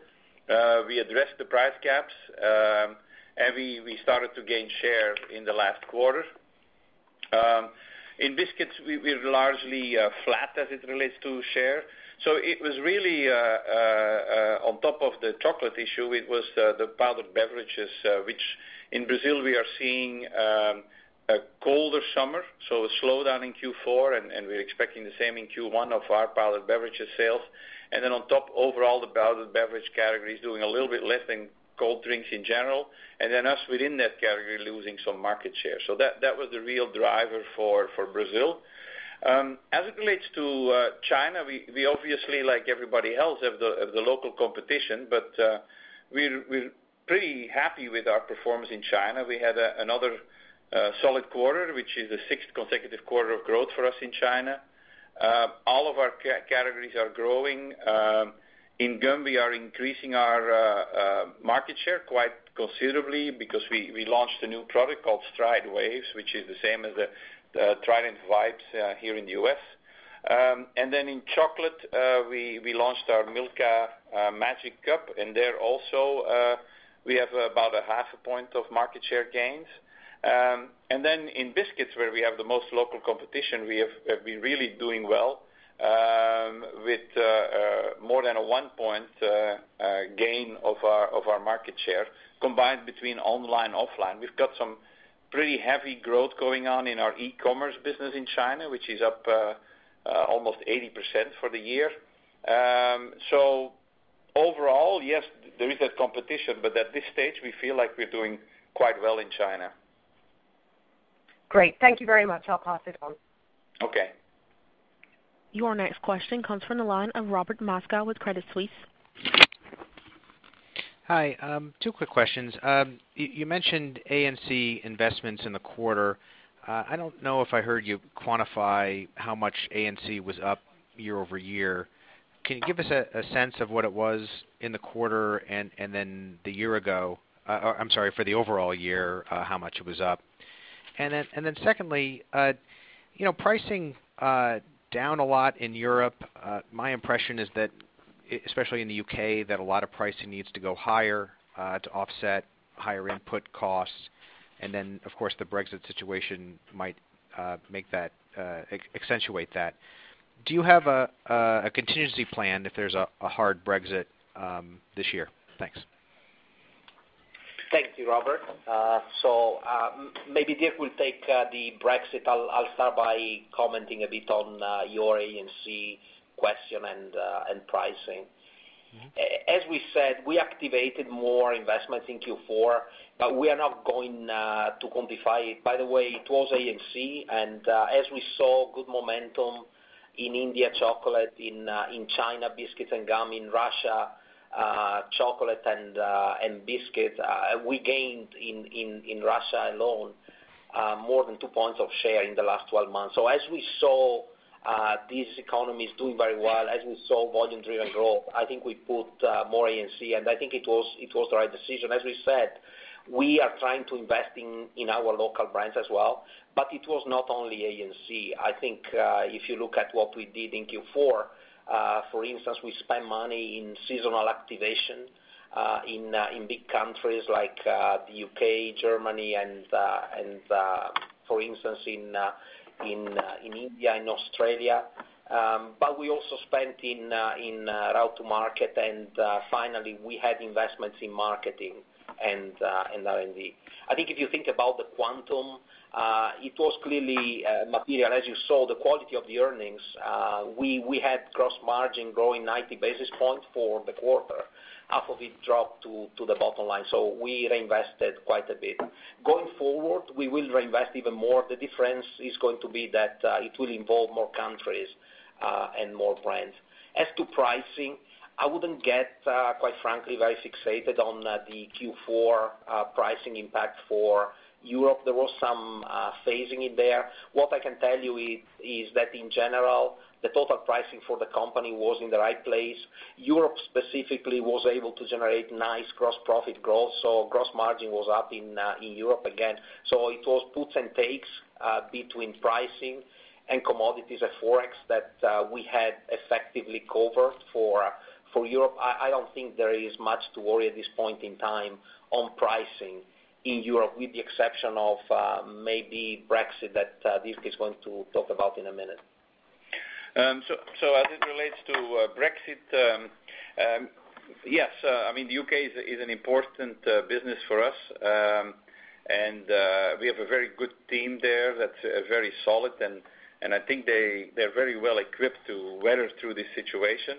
We addressed the price gaps, and we started to gain share in the last quarter. In biscuits, we're largely flat as it relates to share. It was really, on top of the chocolate issue, it was the powdered beverages, which in Brazil, we are seeing a colder summer, a slowdown in Q4, and we're expecting the same in Q1 of our powdered beverages sales. On top, overall, the powdered beverage category is doing a little bit less than cold drinks in general. Us within that category, losing some market share. That was the real driver for Brazil. As it relates to China, we obviously, like everybody else, have the local competition, but we're pretty happy with our performance in China. We had another solid quarter, which is the sixth consecutive quarter of growth for us in China. All of our categories are growing. In gum, we are increasing our market share quite considerably because we launched a new product called Stride Waves, which is the same as the Trident Vibes here in the U.S. In chocolate, we launched our Milka Magic Cup, and there also, we have about a half a point of market share gains. In biscuits, where we have the most local competition, we have been really doing well with more than a one-point gain of our market share combined between online, offline. We've got some pretty heavy growth going on in our e-commerce business in China, which is up almost 80% for the year. Overall, yes, there is that competition, but at this stage, we feel like we're doing quite well in China. Great. Thank you very much. I'll pass it on. Okay. Your next question comes from the line of Robert Moskow with Credit Suisse. Hi. Two quick questions. You mentioned A&C investments in the quarter. I don't know if I heard you quantify how much A&C was up year-over-year. Can you give us a sense of what it was in the quarter and then the year-ago I'm sorry, for the overall year, how much it was up? Secondly, pricing down a lot in Europe, my impression is that, especially in the U.K., that a lot of pricing needs to go higher to offset higher input costs. Of course, the Brexit situation might accentuate that. Do you have a contingency plan if there's a hard Brexit this year? Thanks. Thank you, Robert. Maybe Dirk will take the Brexit. I'll start by commenting a bit on your A&C question and pricing. As we said, we activated more investments in Q4, but we are not going to quantify it. By the way, it was A&C, and as we saw good momentum in India, chocolate, in China, biscuits and gum, in Russia, chocolate and biscuits, we gained in Russia alone more than two points of share in the last 12 months. As we saw these economies doing very well, as we saw volume-driven growth, I think we put more A&C, and I think it was the right decision. As we said, we are trying to invest in our local brands as well, but it was not only A&C. I think if you look at what we did in Q4, for instance, we spent money in seasonal activation in big countries like the U.K., Germany, and for instance, in India and Australia. We also spent in route to market, and finally, we had investments in marketing and R&D. I think if you think about the quantum, it was clearly material. As you saw, the quality of the earnings, we had gross margin growing 90 basis points for the quarter. Half of it dropped to the bottom line. We reinvested quite a bit. Going forward, we will reinvest even more. The difference is going to be that it will involve more countries and more brands. As to pricing, I wouldn't get, quite frankly, very fixated on the Q4 pricing impact for Europe. There was some phasing in there. What I can tell is that in general, the total pricing for the company was in the right place. Europe specifically was able to generate nice gross profit growth, so gross margin was up in Europe again. It was puts and takes between pricing and commodities at Forex that we had effectively covered for Europe. I don't think there is much to worry at this point in time on pricing in Europe, with the exception of maybe Brexit that Dirk is going to talk about in a minute. As it relates to Brexit, yes, the U.K. is an important business for us. We have a very good team there that's very solid, and I think they're very well equipped to weather through this situation.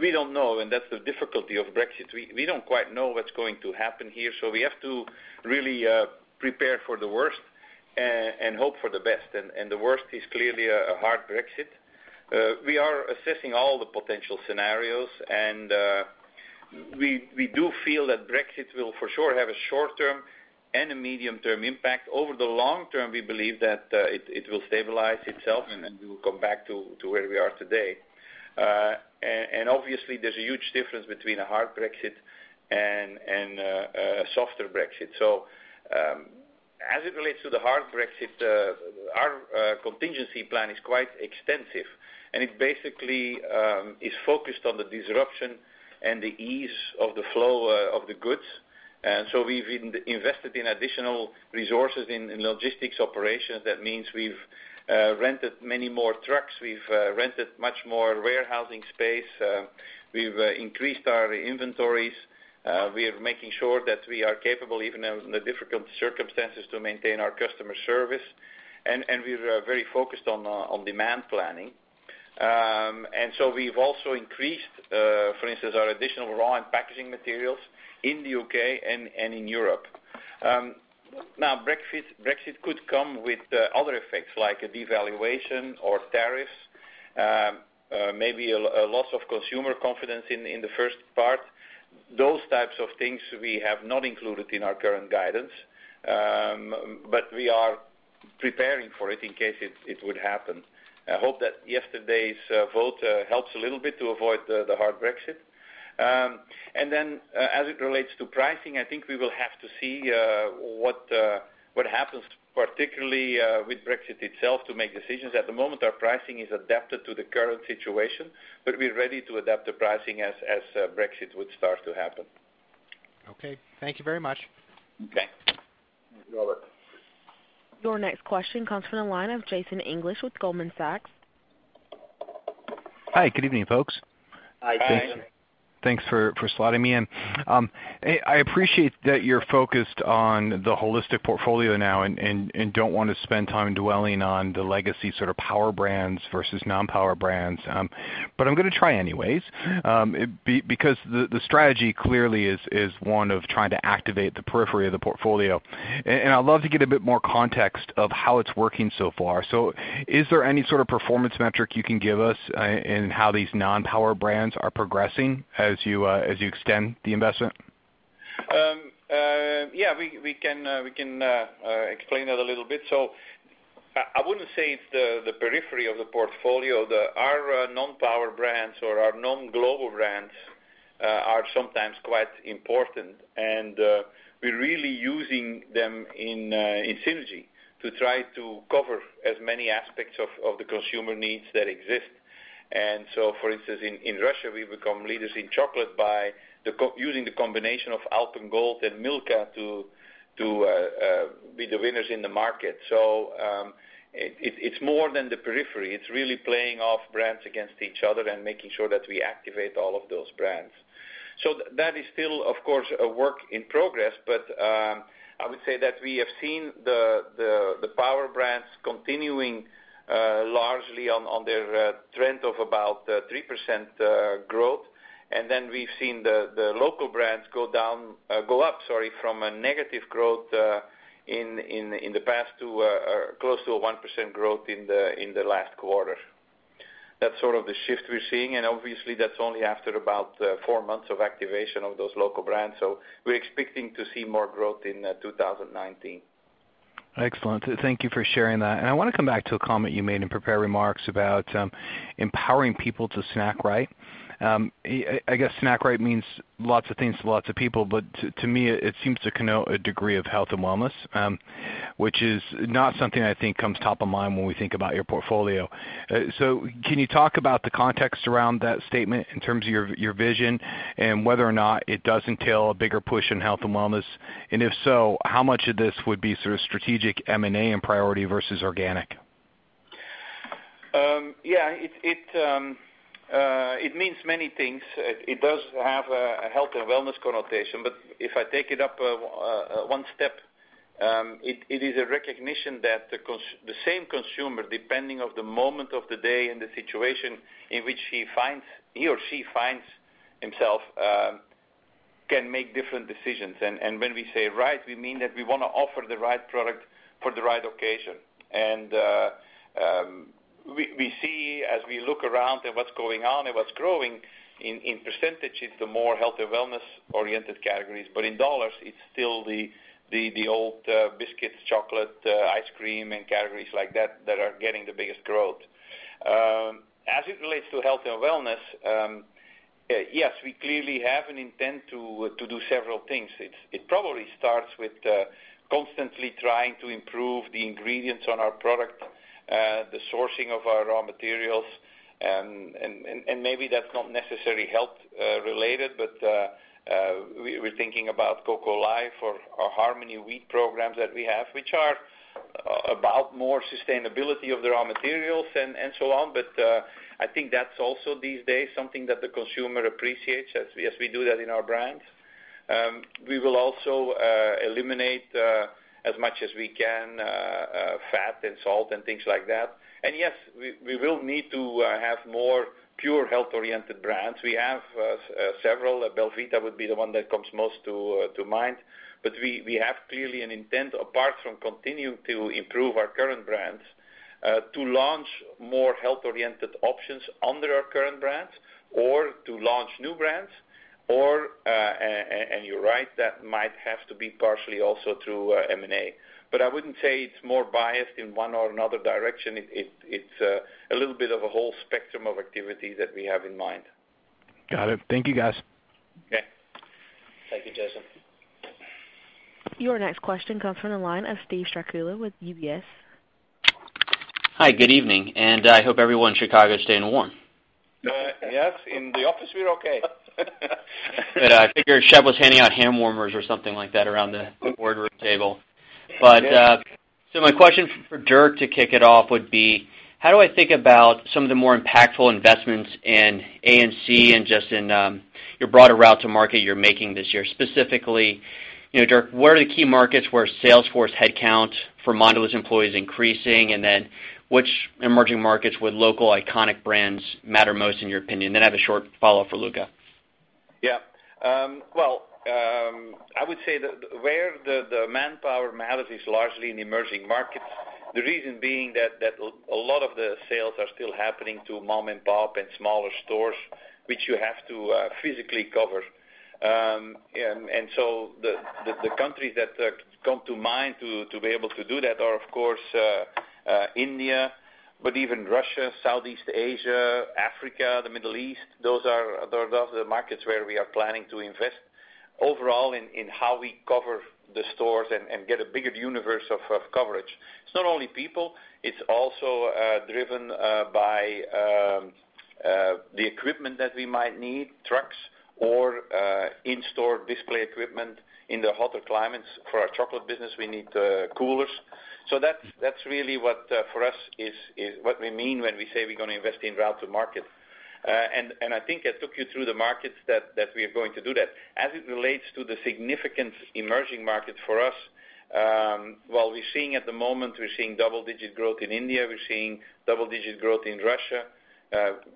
We don't know, and that's the difficulty of Brexit. We don't quite know what's going to happen here, so we have to really prepare for the worst and hope for the best. The worst is clearly a hard Brexit. We are assessing all the potential scenarios, and we do feel that Brexit will, for sure, have a short-term and a medium-term impact. Over the long term, we believe that it will stabilize itself, and we will come back to where we are today. Obviously, there's a huge difference between a hard Brexit and a softer Brexit. As it relates to the hard Brexit, our contingency plan is quite extensive, and it basically is focused on the disruption and the ease of the flow of the goods. We've invested in additional resources in logistics operations. That means we've rented many more trucks. We've rented much more warehousing space. We've increased our inventories. We are making sure that we are capable, even in the difficult circumstances, to maintain our customer service. We are very focused on demand planning. We've also increased, for instance, our additional raw and packaging materials in the U.K. and in Europe. Brexit could come with other effects like a devaluation or tariffs, maybe a loss of consumer confidence in the first part. Those types of things we have not included in our current guidance, but we are preparing for it in case it would happen. I hope that yesterday's vote helps a little bit to avoid the hard Brexit. As it relates to pricing, I think we will have to see what happens, particularly with Brexit itself, to make decisions. At the moment, our pricing is adapted to the current situation, but we're ready to adapt the pricing as Brexit would start to happen. Okay. Thank you very much. Okay. You're welcome. Your next question comes from the line of Jason English with Goldman Sachs. Hi, good evening, folks. Hi, Jason. Thanks for slotting me in. I appreciate that you're focused on the holistic portfolio now and don't want to spend time dwelling on the legacy sort of power brands versus non-power brands. I'm going to try anyways. The strategy clearly is one of trying to activate the periphery of the portfolio. I'd love to get a bit more context of how it's working so far. Is there any sort of performance metric you can give us in how these non-power brands are progressing as you extend the investment? Yeah, we can explain that a little bit. I wouldn't say it's the periphery of the portfolio. Our non-power brands or our non-global brands are sometimes quite important. We're really using them in synergy to try to cover as many aspects of the consumer needs that exist. For instance, in Russia, we've become leaders in chocolate by using the combination of Alpen Gold and Milka to be the winners in the market. It's more than the periphery. It's really playing off brands against each other and making sure that we activate all of those brands. That is still, of course, a work in progress, but I would say that we have seen the power brands continuing largely on their trend of about 3% growth. We've seen the local brands go up from a negative growth in the past to close to a 1% growth in the last quarter. That's sort of the shift we're seeing. Obviously, that's only after about four months of activation of those local brands. We're expecting to see more growth in 2019. Excellent. Thank you for sharing that. I want to come back to a comment you made in prepared remarks about empowering people to snack right. I guess snack right means lots of things to lots of people, but to me, it seems to connote a degree of health and wellness, which is not something I think comes top of mind when we think about your portfolio. Can you talk about the context around that statement in terms of your vision and whether or not it does entail a bigger push in health and wellness? If so, how much of this would be sort of strategic M&A and priority versus organic? Yeah. It means many things. It does have a health and wellness connotation, but if I take it up one step, it is a recognition that the same consumer, depending on the moment of the day and the situation in which he or she finds himself, can make different decisions. When we say right, we mean that we want to offer the right product for the right occasion. We see as we look around at what's going on and what's growing in percentage, it's the more health and wellness-oriented categories. But in dollars, it's still the old biscuits, chocolate, ice cream, and categories like that that are getting the biggest growth. As it relates to health and wellness, yes, we clearly have an intent to do several things. It probably starts with constantly trying to improve the ingredients on our product, the sourcing of our raw materials. Maybe that's not necessarily health related, but we're thinking about Cocoa Life or our Harmony Wheat programs that we have, which are about more sustainability of the raw materials and so on. I think that's also, these days, something that the consumer appreciates as we do that in our brands. We will also eliminate as much as we can, fat and salt and things like that. Yes, we will need to have more pure health-oriented brands. We have several. belVita would be the one that comes most to mind. We have clearly an intent, apart from continuing to improve our current brands, to launch more health-oriented options under our current brands or to launch new brands or, and you're right, that might have to be partially also through M&A. I wouldn't say it's more biased in one or another direction. It's a little bit of a whole spectrum of activity that we have in mind. Got it. Thank you, guys. Okay. Thank you, Jason. Your next question comes from the line of Steve Strycula with UBS. Hi, good evening, and I hope everyone in Chicago is staying warm. Yes, in the office, we're okay. I figured Sheila's handing out hand warmers or something like that around the boardroom table. Yes. My question for Dirk to kick it off would be, how do I think about some of the more impactful investments in A&C and just in your broader route to market you're making this year? Specifically, Dirk, what are the key markets where sales force headcount for Mondelēz employees increasing, and which emerging markets would local iconic brands matter most in your opinion? I have a short follow-up for Luca. Yeah. Well, I would say that where the manpower matters is largely in emerging markets. The reason being that a lot of the sales are still happening to mom and pop and smaller stores, which you have to physically cover. The countries that come to mind to be able to do that are, of course, India, but even Russia, Southeast Asia, Africa, the Middle East. Those are the markets where we are planning to invest overall in how we cover the stores and get a bigger universe of coverage. It's not only people, it's also driven by the equipment that we might need, trucks or in-store display equipment. In the hotter climates for our chocolate business, we need coolers. That's really what, for us, is what we mean when we say we're going to invest in route to market. I think I took you through the markets that we are going to do that. As it relates to the significant emerging market for us, while we're seeing at the moment, we're seeing double-digit growth in India, we're seeing double-digit growth in Russia.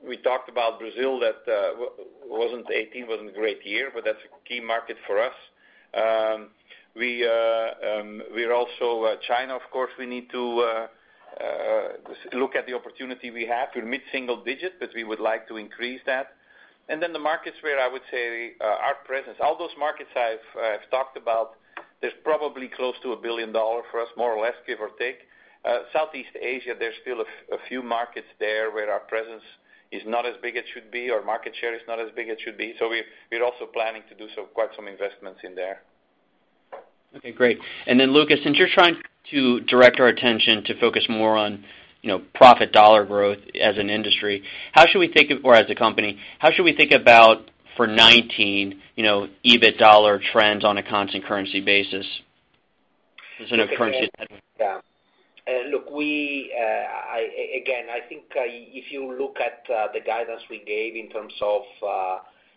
We talked about Brazil, 2018 wasn't a great year, but that's a key market for us. China, of course, we need to look at the opportunity we have. We're mid-single digit, but we would like to increase that. The markets where I would say our presence, all those markets I've talked about, there's probably close to a billion dollars for us, more or less, give or take. Southeast Asia, there's still a few markets there where our presence is not as big as it should be, or market share is not as big as it should be. We're also planning to do quite some investments in there. Okay, great. Luca, since you're trying to direct our attention to focus more on profit dollar growth as an industry or as a company, how should we think about, for 2019, EBIT dollar trends on a constant currency basis? Yeah. Look, again, I think if you look at the guidance we gave in terms of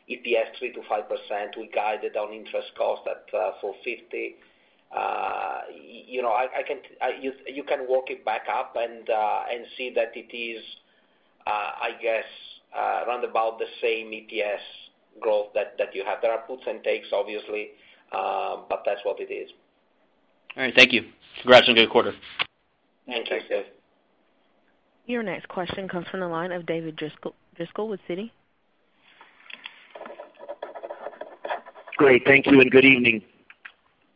EPS, 3%-5%, we guided on interest cost at $450. You can work it back up and see that it is, I guess, around about the same EPS growth that you have there. There are puts and takes, obviously, but that's what it is. All right. Thank you. Congrats on a good quarter. Thank you. Thanks, Steve. Your next question comes from the line of David Driscoll with Citi. Great. Thank you and good evening.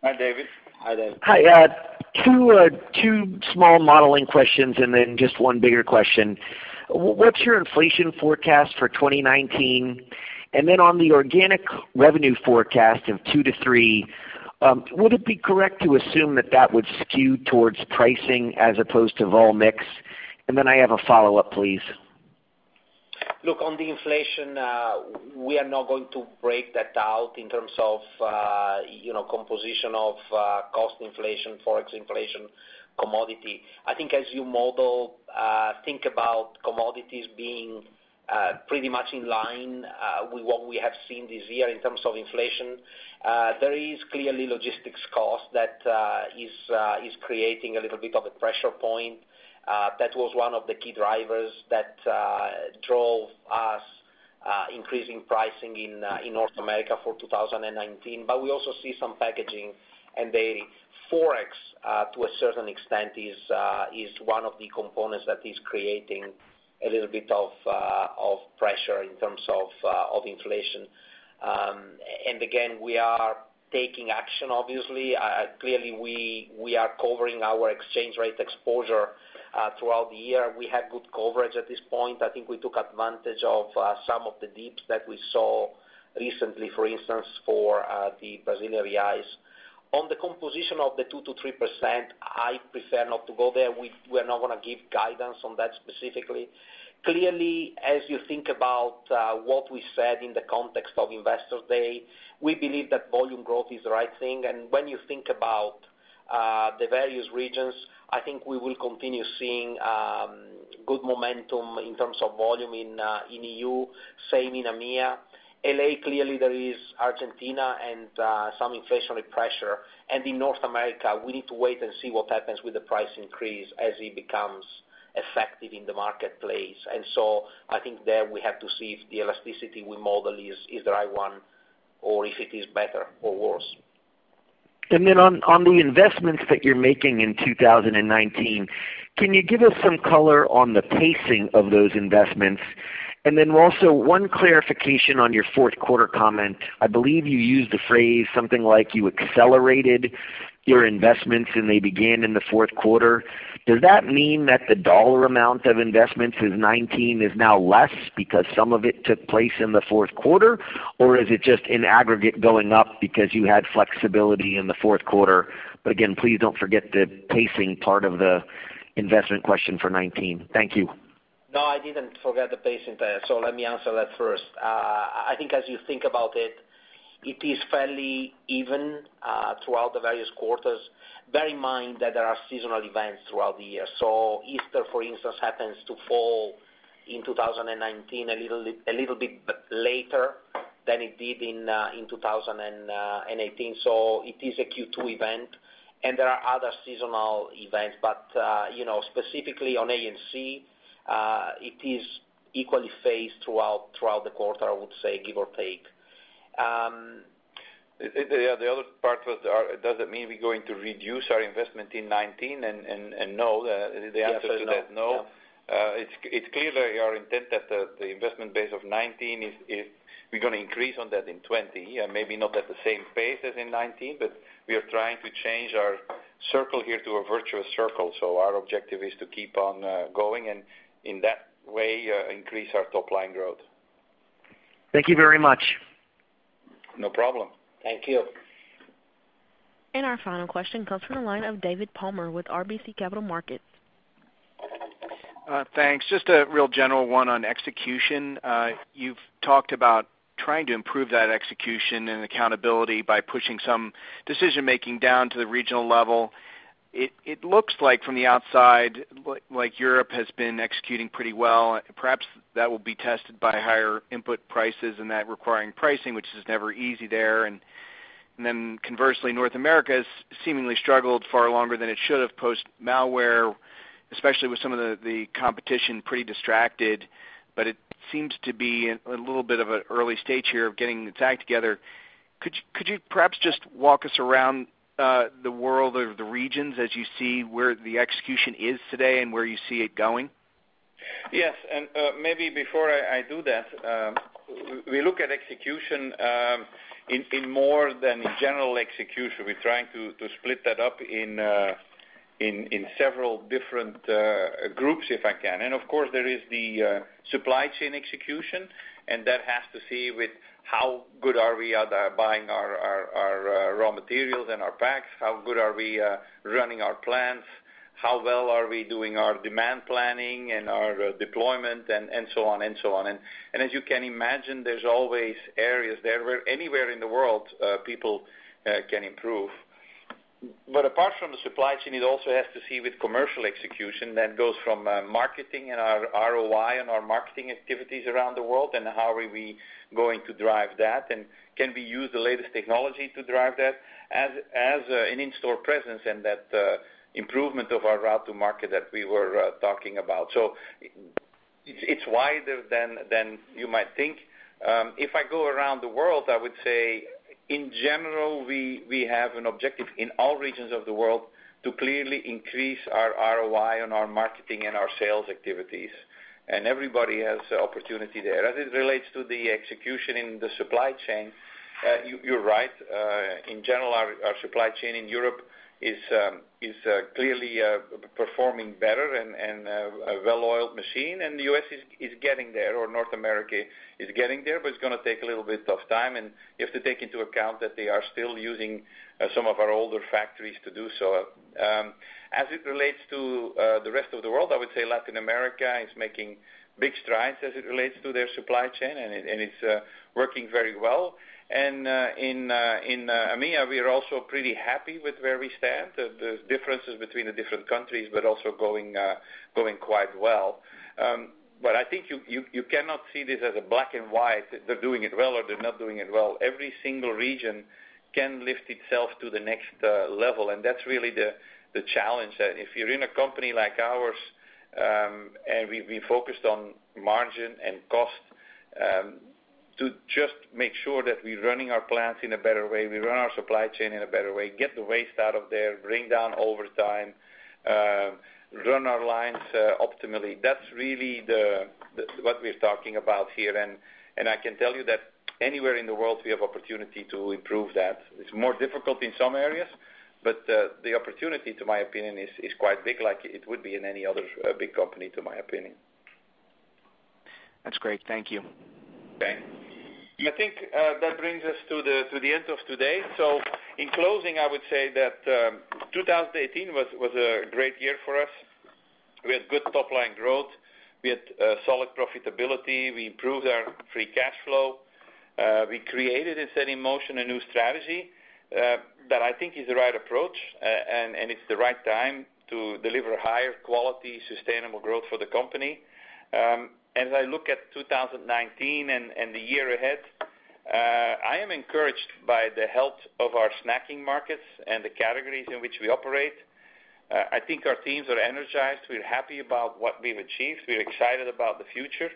Hi, David. Hi, David. Hi. Two small modeling questions. Then just one bigger question. What's your inflation forecast for 2019? On the organic revenue forecast of 2%-3%, would it be correct to assume that that would skew towards pricing as opposed to vol mix? Then I have a follow-up, please. On the inflation, we are not going to break that out in terms of composition of cost inflation, Forex inflation, commodity. As you model, think about commodities being pretty much in line with what we have seen this year in terms of inflation. There is clearly logistics cost that is creating a little bit of a pressure point. That was one of the key drivers that drove increasing pricing in North America for 2019, but we also see some packaging, and the Forex, to a certain extent, is one of the components that is creating a little bit of pressure in terms of inflation. Again, we are taking action, obviously. Clearly, we are covering our exchange rate exposure throughout the year. We have good coverage at this point. We took advantage of some of the dips that we saw recently, for instance, for the Brazilian reais. On the composition of the 2%-3%, I prefer not to go there. We're not going to give guidance on that specifically. Clearly, as you think about what we said in the context of Investor Day, we believe that volume growth is the right thing. When you think about the various regions, we will continue seeing good momentum in terms of volume in EU, same in EMEA. L.A., clearly, there is Argentina and some inflationary pressure. In North America, we need to wait and see what happens with the price increase as it becomes effective in the marketplace. There we have to see if the elasticity we model is the right one or if it is better or worse. On the investments that you're making in 2019, can you give us some color on the pacing of those investments? Also one clarification on your fourth quarter comment. You used the phrase something like, you accelerated your investments and they began in the fourth quarter. Does that mean that the dollar amount of investments in 2019 is now less because some of it took place in the fourth quarter? Or is it just in aggregate going up because you had flexibility in the fourth quarter? Again, please don't forget the pacing part of the investment question for 2019. Thank you. I didn't forget the pacing there. Let me answer that first. As you think about it is fairly even, throughout the various quarters. Bear in mind that there are seasonal events throughout the year. Easter, for instance, happens to fall in 2019, a little bit later than it did in 2018. It is a Q2 event, and there are other seasonal events. Specifically on A&C, it is equally phased throughout the quarter, I would say, give or take. The other part was, does it mean we're going to reduce our investment in 2019? No, the answer to that, no. The answer is no. It's clearly our intent that the investment base of 2019 is we're going to increase on that in 2020. Maybe not at the same pace as in 2019, but we are trying to change our circle here to a virtuous circle. Our objective is to keep on going, and in that way, increase our top-line growth. Thank you very much. No problem. Thank you. Our final question comes from the line of David Palmer with RBC Capital Markets. Thanks. Just a real general one on execution. You've talked about trying to improve that execution and accountability by pushing some decision-making down to the regional level. It looks like from the outside, like Europe has been executing pretty well. Perhaps that will be tested by higher input prices and that requiring pricing, which is never easy there. Conversely, North America has seemingly struggled far longer than it should have post-Malware, especially with some of the competition pretty distracted, but it seems to be in a little bit of an early stage here of getting its act together. Could you perhaps just walk us around the world or the regions as you see where the execution is today and where you see it going? Yes. Maybe before I do that, we look at execution, in more than general execution. We're trying to split that up in several different groups, if I can. Of course, there is the supply chain execution, and that has to see with how good are we at buying our raw materials and our packs, how good are we at running our plants, how well are we doing our demand planning and our deployment, and so on. As you can imagine, there's always areas anywhere in the world people can improve. Apart from the supply chain, it also has to see with commercial execution that goes from marketing and our ROI on our marketing activities around the world and how are we going to drive that, and can we use the latest technology to drive that as an in-store presence and that improvement of our route to market that we were talking about. It's wider than you might think. If I go around the world, I would say, in general, we have an objective in all regions of the world to clearly increase our ROI on our marketing and our sales activities. Everybody has the opportunity there. As it relates to the execution in the supply chain, you're right. In general, our supply chain in Europe is clearly performing better and a well-oiled machine, and the U.S. is getting there, or North America is getting there, but it's going to take a little bit of time, and you have to take into account that they are still using some of our older factories to do so. As it relates to the rest of the world, I would say Latin America is making big strides as it relates to their supply chain, and it's working very well. In EMEA, we are also pretty happy with where we stand. There's differences between the different countries, also going quite well. I think you cannot see this as a black and white, they're doing it well or they're not doing it well. Every single region can lift itself to the next level, and that's really the challenge. If you're in a company like ours, we focused on margin and cost, to just make sure that we're running our plants in a better way, we run our supply chain in a better way, get the waste out of there, bring down overtime, run our lines optimally. That's really what we're talking about here, I can tell you that anywhere in the world, we have opportunity to improve that. It's more difficult in some areas, the opportunity, to my opinion, is quite big like it would be in any other big company, to my opinion. That's great. Thank you. Okay. I think that brings us to the end of today. In closing, I would say that 2018 was a great year for us. We had good top-line growth. We had solid profitability. We improved our free cash flow. We created and set in motion a new strategy, that I think is the right approach, and it's the right time to deliver higher quality, sustainable growth for the company. As I look at 2019 and the year ahead, I am encouraged by the health of our snacking markets and the categories in which we operate. I think our teams are energized. We're happy about what we've achieved. We're excited about the future.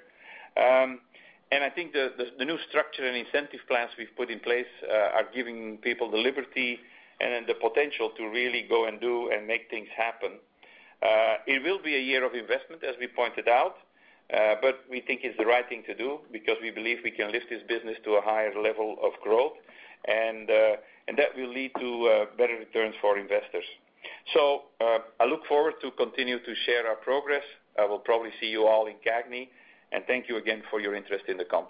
I think the new structure and incentive plans we've put in place are giving people the liberty and then the potential to really go and do and make things happen. It will be a year of investment, as we pointed out. We think it's the right thing to do because we believe we can lift this business to a higher level of growth, and that will lead to better returns for investors. I look forward to continue to share our progress. I will probably see you all in CAGNY. Thank you again for your interest in the company.